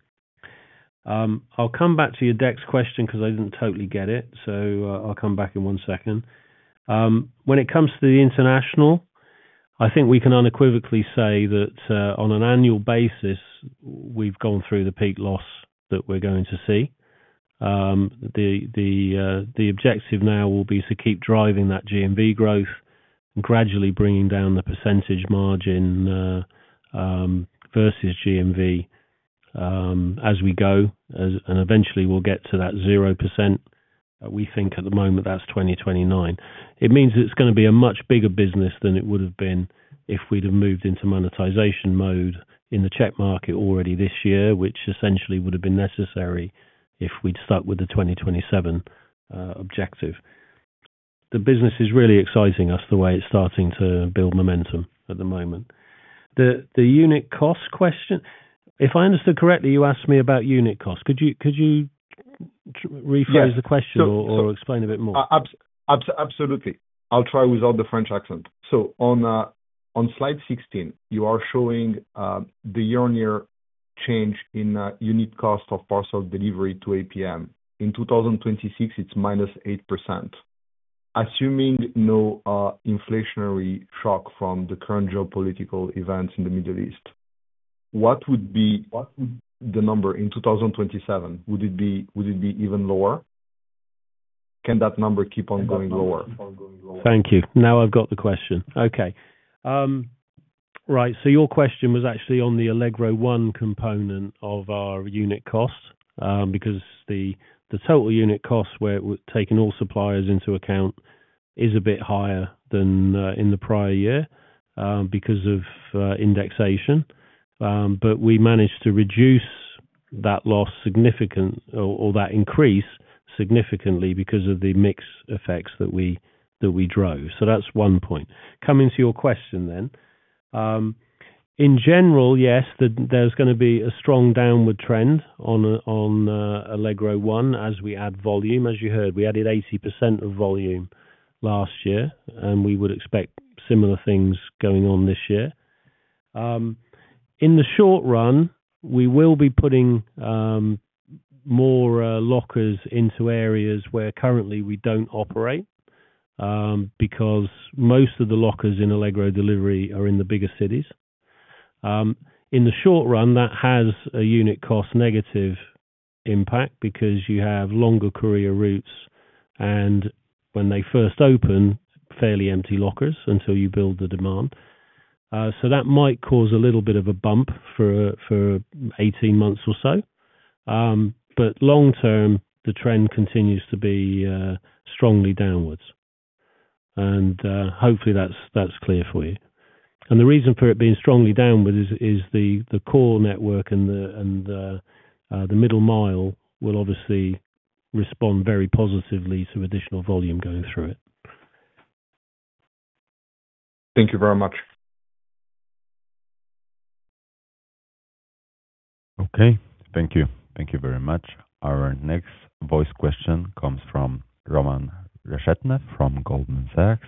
I'll come back to your Dex question 'cause I didn't totally get it, so, I'll come back in one second. When it comes to the international, I think we can unequivocally say that, on an annual basis, we've gone through the peak loss that we're going to see. The objective now will be to keep driving that GMV growth, gradually bringing down the percentage margin versus GMV, as we go, and eventually we'll get to that 0%. We think at the moment that's 2029. It means it's gonna be a much bigger business than it would have been if we'd have moved into monetization mode in the Czech market already this year, which essentially would have been necessary if we'd stuck with the 2027 objective. The business is really exciting us the way it's starting to build momentum at the moment. The unit cost question. If I understood correctly, you asked me about unit cost. Could you rephrase the question or explain a bit more? Absolutely. I'll try without the French accent. On slide 16, you are showing the year-on-year change in unit cost of parcel delivery to APM. In 2026, it's -8%. Assuming no inflationary shock from the current geopolitical events in the Middle East, what would be the number in 2027? Would it be even lower? Can that number keep on going lower? Thank you. Now I've got the question. Okay. Right. Your question was actually on the Allegro One component of our unit cost, because the total unit cost where we're taking all suppliers into account is a bit higher than in the prior year, because of indexation. We managed to reduce that increase significantly because of the mix effects that we drove. That's one point. Coming to your question then. In general, yes, there's gonna be a strong downward trend on Allegro One as we add volume. As you heard, we added 80% of volume last year, and we would expect similar things going on this year. In the short run, we will be putting more lockers into areas where currently we don't operate, because most of the lockers in Allegro Delivery are in the bigger cities. In the short run, that has a unit cost negative impact because you have longer courier routes and when they first open, fairly empty lockers until you build the demand. So that might cause a little bit of a bump for 18 months or so. But long term, the trend continues to be strongly downwards. Hopefully that's clear for you. The reason for it being strongly downward is the core network and the middle mile will obviously respond very positively to additional volume going through it. Thank you very much. Okay. Thank you. Thank you very much. Our next voice question comes from Roman Reshetnev from Goldman Sachs.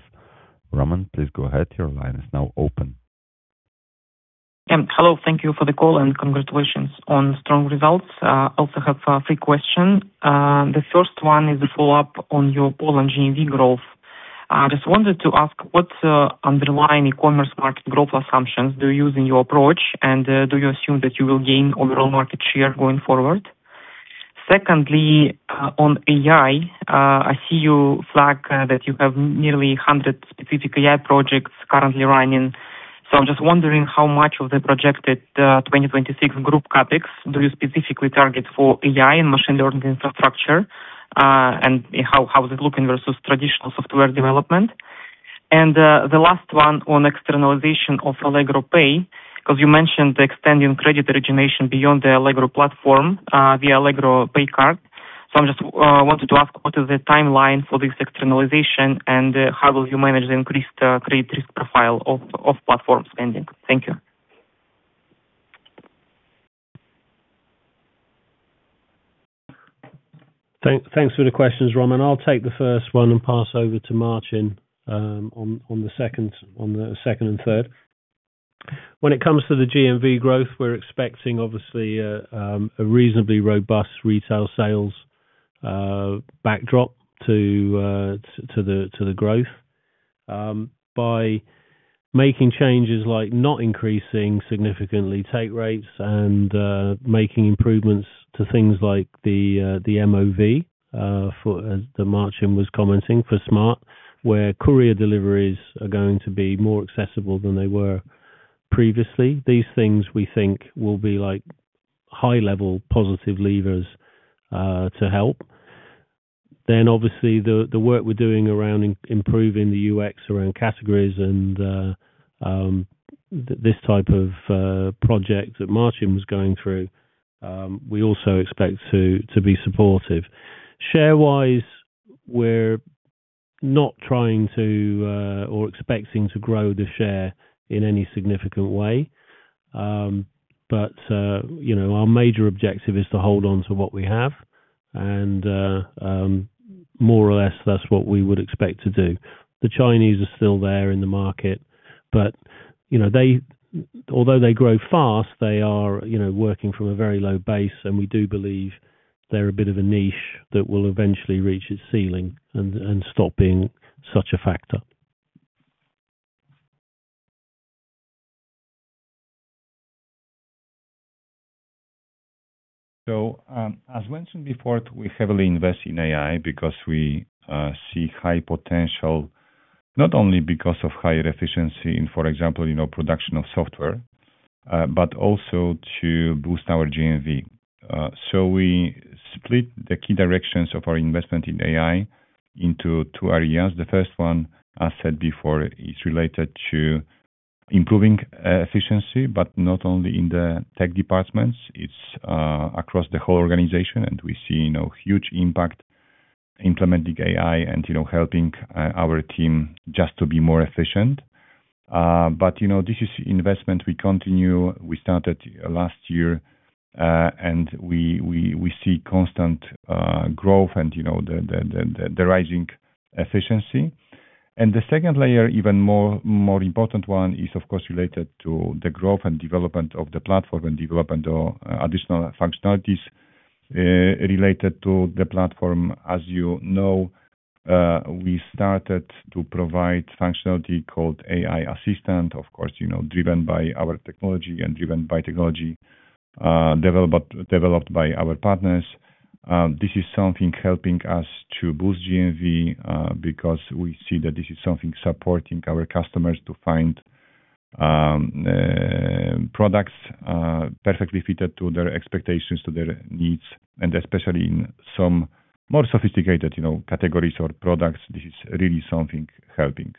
Roman, please go ahead. Your line is now open. Hello, thank you for the call, and congratulations on strong results. I also have three questions. The first one is the follow-up on your Poland GMV growth. I just wanted to ask, what underlying e-commerce market growth assumptions do you use in your approach? Do you assume that you will gain overall market share going forward? Secondly, on AI, I see you flag that you have nearly 100 specific AI projects currently running. So I'm just wondering how much of the projected 2026 group CapEx do you specifically target for AI and machine learning infrastructure? And how is it looking versus traditional software development? The last one on externalization of Allegro Pay, 'cause you mentioned extending credit origination beyond the Allegro platform, via Allegro Pay card. I'm just wanted to ask what is the timeline for this externalization, and how will you manage the increased credit risk profile of platform spending? Thank you. Thanks for the questions, Roman. I'll take the first one and pass over to Marcin on the second and third. When it comes to the GMV growth, we're expecting obviously a reasonably robust retail sales backdrop to the growth by making changes like not increasing significantly take rates and making improvements to things like the MOV, as Marcin was commenting, for Smart!, where courier deliveries are going to be more accessible than they were previously. These things we think will be like high-level positive levers to help. Obviously the work we're doing around improving the UX around categories and this type of project that Marcin was going through, we also expect to be supportive. Share-wise, we're not trying to or expecting to grow the share in any significant way. You know, our major objective is to hold on to what we have and more or less that's what we would expect to do. The Chinese are still there in the market, but you know, they, although they grow fast, they are, you know, working from a very low base, and we do believe they're a bit of a niche that will eventually reach its ceiling and stop being such a factor. As mentioned before, we heavily invest in AI because we see high potential, not only because of higher efficiency in, for example, you know, production of software, but also to boost our GMV. We split the key directions of our investment in AI into two areas. The first one, as said before, is related to improving efficiency, but not only in the tech departments, it's across the whole organization, and we see, you know, huge impact implementing AI and, you know, helping our team just to be more efficient. You know, this is investment we continue. We started last year, and we see constant growth and, you know, the rising efficiency. The second layer, even more important one, is of course related to the growth and development of the platform and development of additional functionalities related to the platform. As you know, we started to provide functionality called AI Assistant, of course, you know, driven by our technology and driven by technology developed by our partners. This is something helping us to boost GMV because we see that this is something supporting our customers to find products perfectly fitted to their expectations, to their needs, and especially in some more sophisticated, you know, categories or products. This is really something helping.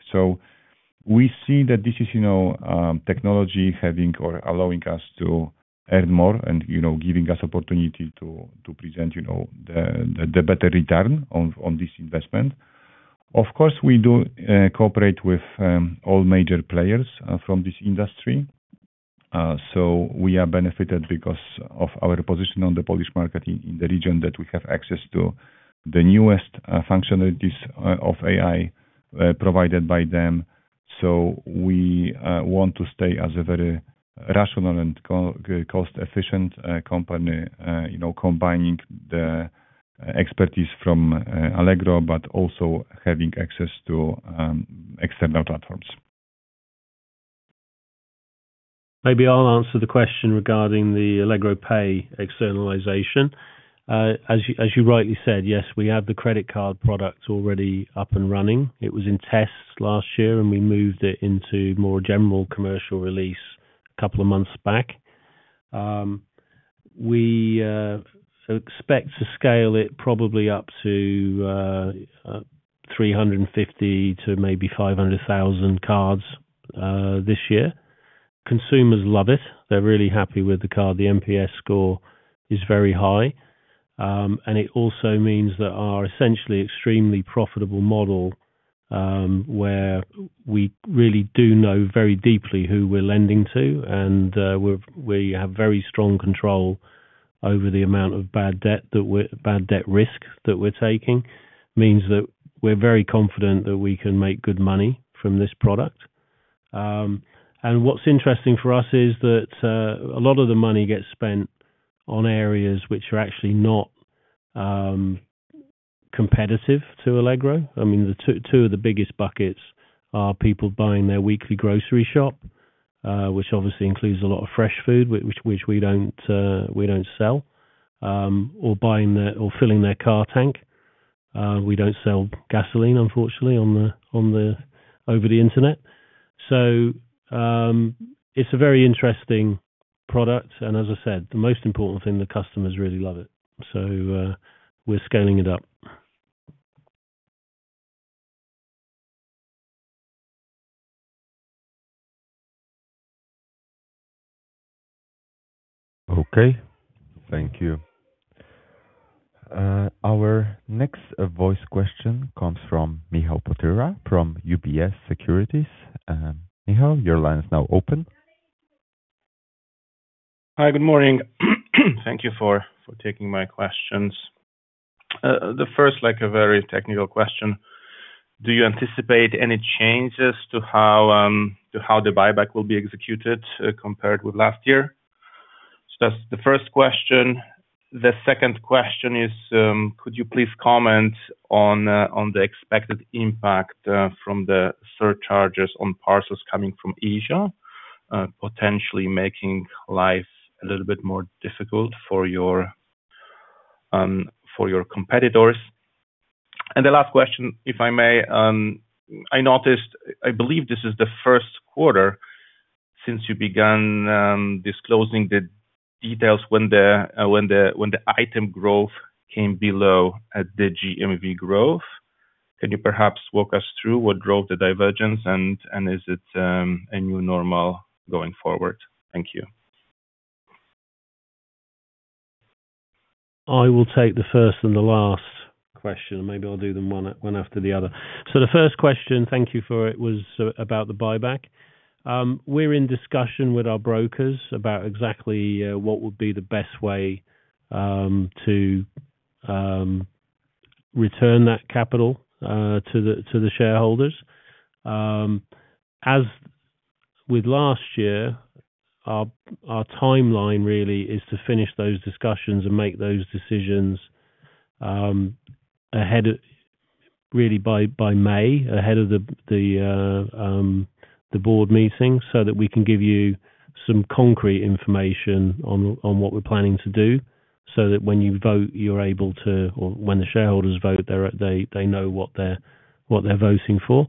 We see that this is, you know, technology having or allowing us to earn more and, you know, giving us opportunity to present, you know, the better return on this investment. Of course, we do cooperate with all major players from this industry. We are benefited because of our position on the Polish market in the region that we have access to the newest functionalities of AI provided by them. We want to stay as a very rational and cost-efficient company, you know, combining the expertise from Allegro, but also having access to external platforms. Maybe I'll answer the question regarding the Allegro Pay externalization. As you rightly said, yes, we have the credit card product already up and running. It was in tests last year, and we moved it into more general commercial release a couple of months back. We expect to scale it probably up to 350,000-500,000 cards this year. Consumers love it. They're really happy with the card. The NPS score is very high. It also means that our essentially extremely profitable model, where we really do know very deeply who we're lending to, and we have very strong control over the bad debt risk that we're taking, means that we're very confident that we can make good money from this product. What's interesting for us is that a lot of the money gets spent on areas which are actually not competitive to Allegro. I mean, the two of the biggest buckets are people buying their weekly grocery shop, which obviously includes a lot of fresh food, which we don't sell. Or filling their car tank. We don't sell gasoline, unfortunately, over the internet. It's a very interesting product and as I said, the most important thing, the customers really love it. We're scaling it up. Okay. Thank you. Our next voice question comes from Michal Potyra from UBS Securities. Michal, your line is now open. Hi. Good morning. Thank you for taking my questions. The first, like, a very technical question: do you anticipate any changes to how the buyback will be executed, compared with last year? That's the first question. The second question is, could you please comment on the expected impact from the surcharges on parcels coming from Asia, potentially making life a little bit more difficult for your competitors? The last question, if I may, I noticed. I believe this is the first quarter since you began disclosing the details when the item growth came below the GMV growth. Can you perhaps walk us through what drove the divergence and is it a new normal going forward? Thank you. I will take the first and the last question. Maybe I'll do them one after the other. The first question, thank you for it, was about the buyback. We're in discussion with our brokers about exactly what would be the best way to return that capital to the shareholders. As with last year, our timeline really is to finish those discussions and make those decisions, really by May, ahead of the board meeting so that we can give you some concrete information on what we're planning to do, so that when the shareholders vote, they know what they're voting for.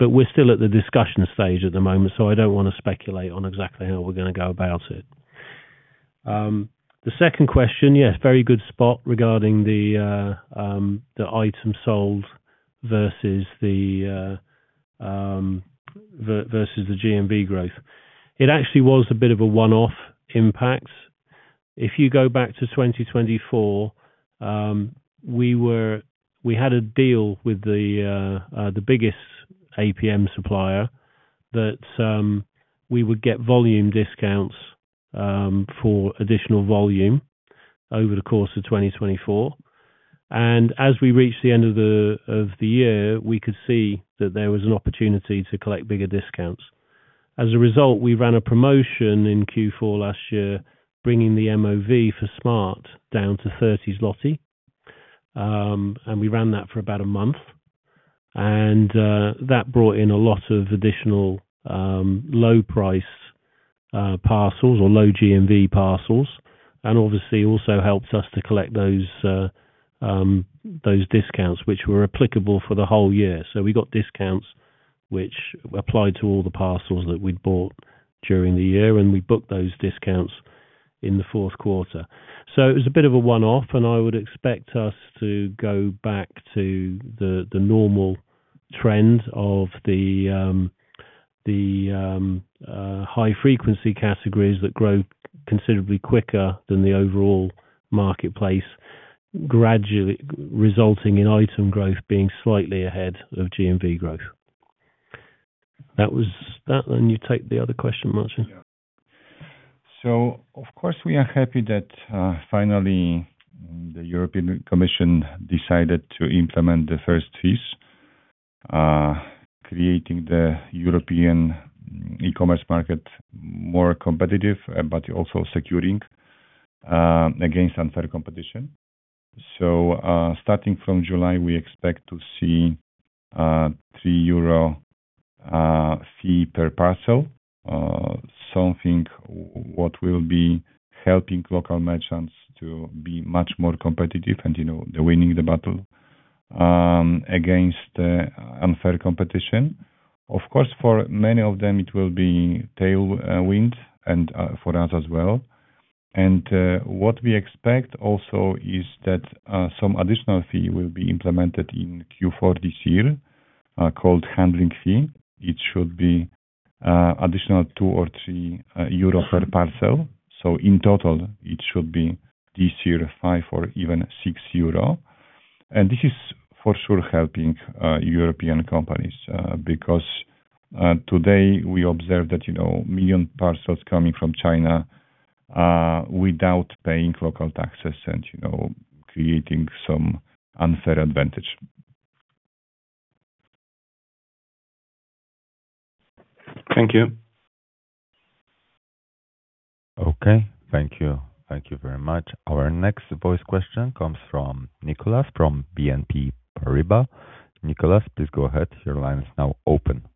We're still at the discussion stage at the moment, so I don't wanna speculate on exactly how we're gonna go about it. The second question, yes, very good spot regarding the item sold versus the GMV growth. It actually was a bit of a one-off impact. If you go back to 2024, we had a deal with the biggest APM supplier that we would get volume discounts for additional volume over the course of 2024. As we reached the end of the year, we could see that there was an opportunity to collect bigger discounts. As a result, we ran a promotion in Q4 last year, bringing the MOV for Smart! down to 30 PLN, and we ran that for about a month. That brought in a lot of additional low price parcels or low GMV parcels, and obviously also helped us to collect those discounts, which were applicable for the whole year. We got discounts which applied to all the parcels that we'd bought during the year, and we booked those discounts in the fourth quarter. It was a bit of a one-off, and I would expect us to go back to the normal trend of the high frequency categories that grow considerably quicker than the overall marketplace, gradually resulting in item growth being slightly ahead of GMV growth. That was that. You take the other question, Marcin. Yeah. Of course, we are happy that finally the European Commission decided to implement the first fees creating the European e-commerce market more competitive, but also securing against unfair competition. Starting from July, we expect to see 3 euro fee per parcel, something what will be helping local merchants to be much more competitive and, you know, winning the battle against the unfair competition. Of course, for many of them, it will be tailwind and for us as well. What we expect also is that some additional fee will be implemented in Q4 this year, called handling fee. It should be additional 2 or 3 euro per parcel. In total, it should be this year 5 or even 6 euro. This is for sure helping European companies, because today we observe that, you know, million parcels coming from China without paying local taxes and, you know, creating some unfair advantage. Thank you. Okay. Thank you. Thank you very much. Our next voice question comes from Nicholas from BNP Paribas. Nicholas, please go ahead. Your line is now open.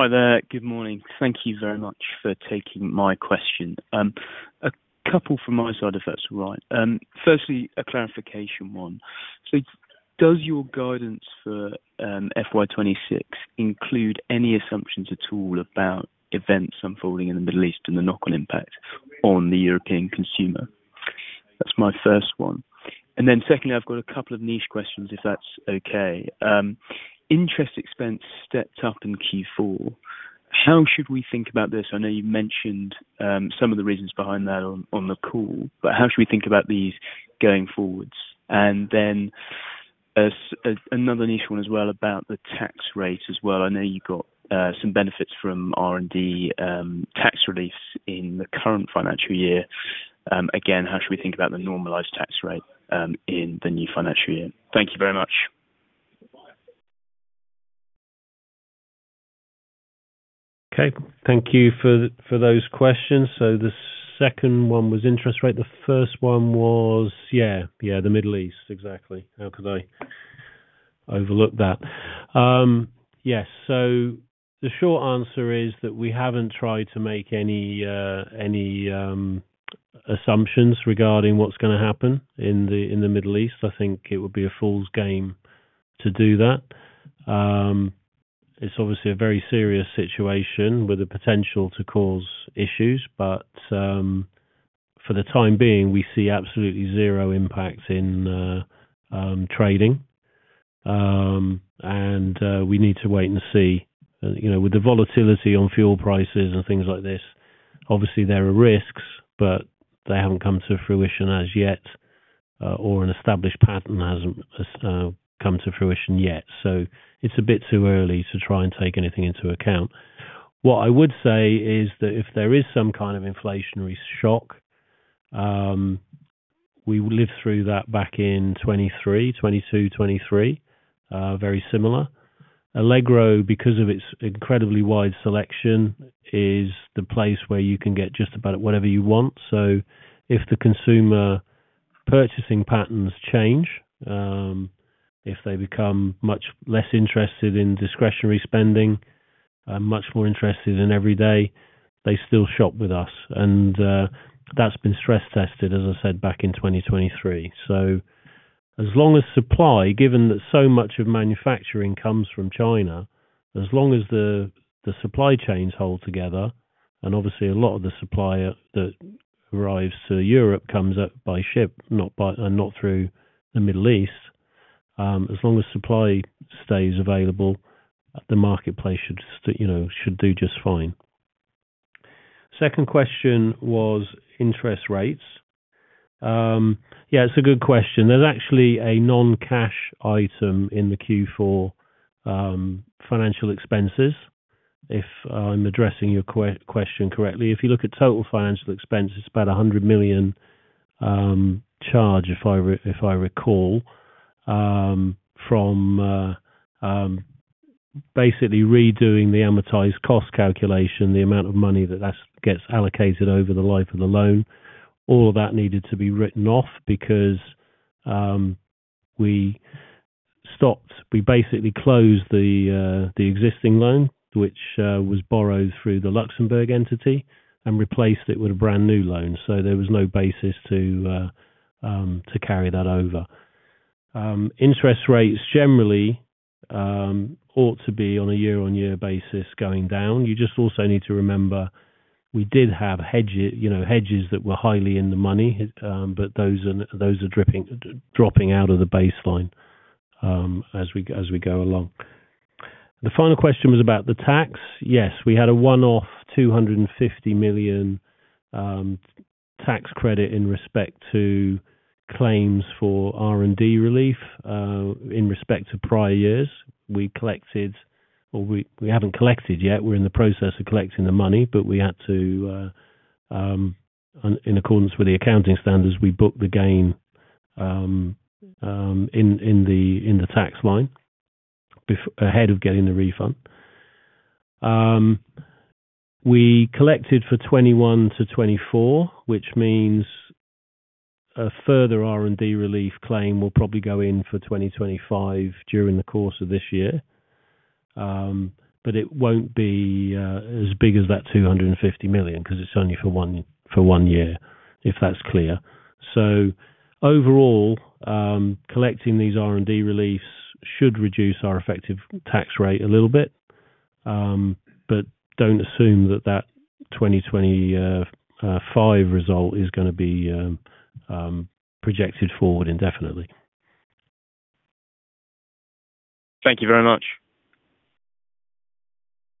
Hi there. Good morning. Thank you very much for taking my question. A couple from my side, if that's all right. Firstly, a clarification one. Does your guidance for FY 2026 include any assumptions at all about events unfolding in the Middle East and the knock-on impact on the European consumer? That's my first one. Then secondly, I've got a couple of niche questions, if that's okay. Interest expense stepped up in Q4. How should we think about this? I know you mentioned some of the reasons behind that on the call, but how should we think about these going forwards? Then as another niche one as well about the tax rate as well. I know you got some benefits from R&D tax relief in the current financial year. Again, how should we think about the normalized tax rate, in the new financial year? Thank you very much. Okay. Thank you for those questions. The second one was interest rate. The first one was? Yeah. Yeah, the Middle East. Exactly. How could I overlook that? Yes. The short answer is that we haven't tried to make any assumptions regarding what's gonna happen in the Middle East. I think it would be a fool's game to do that. It's obviously a very serious situation with the potential to cause issues but for the time being, we see absolutely zero impact in trading. And we need to wait and see. You know, with the volatility on fuel prices and things like this, obviously there are risks, but they haven't come to fruition as yet, or an established pattern hasn't come to fruition yet. It's a bit too early to try and take anything into account. What I would say is that if there is some kind of inflationary shock, we lived through that back in 2022, 2023, very similar. Allegro, because of its incredibly wide selection, is the place where you can get just about whatever you want. If the consumer purchasing patterns change, if they become much less interested in discretionary spending, much more interested in every day, they still shop with us. That's been stress tested, as I said, back in 2023. As long as supply, given that so much of manufacturing comes from China, as long as the supply chains hold together, and obviously a lot of the supplies that arrives to Europe comes up by ship, not through the Middle East. As long as supply stays available, the marketplace should, you know, do just fine. Second question was interest rates. Yeah, it's a good question. There's actually a non-cash item in the Q4 financial expenses. If I'm addressing your question correctly. If you look at total financial expense, it's about 100 million charge, if I recall, from basically redoing the amortized cost calculation, the amount of money that gets allocated over the life of the loan. All of that needed to be written off because we basically closed the existing loan, which was borrowed through the Luxembourg entity and replaced it with a brand-new loan. So there was no basis to carry that over. Interest rates generally ought to be on a year-on-year basis going down. You just also need to remember, we did have hedges, you know, hedges that were highly in the money, but those are dropping out of the baseline, as we go along. The final question was about the tax. Yes, we had a one-off 250 million tax credit in respect to claims for R&D relief, in respect to prior years. We haven't collected yet. We're in the process of collecting the money, but we had to, in accordance with the accounting standards, we booked the gain, in the tax line ahead of getting the refund. We collected for 2021-2024, which means a further R&D relief claim will probably go in for 2025 during the course of this year. It won't be as big as that 250 million 'cause it's only for one year, if that's clear. Overall, collecting these R&D reliefs should reduce our effective tax rate a little bit, but don't assume that 2025 result is gonna be projected forward indefinitely. Thank you very much.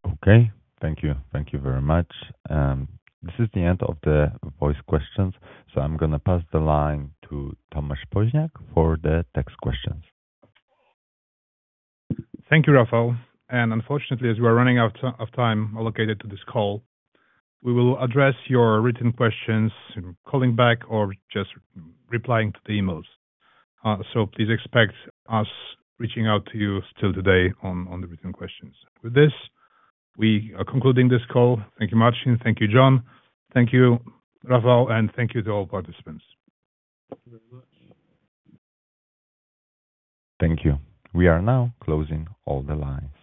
Okay. Thank you. Thank you very much. This is the end of the voice questions, so I'm gonna pass the line to Tomasz Poźniak for the text questions. Thank you, Rafał. Unfortunately, as we are running out of time allocated to this call, we will address your written questions by calling back or just replying to the emails. Please expect us reaching out to you still today on the written questions. With this, we are concluding this call. Thank you, Marcin. Thank you, John. Thank you, Rafał, and thank you to all participants. Thank you very much. Thank you. We are now closing all the lines.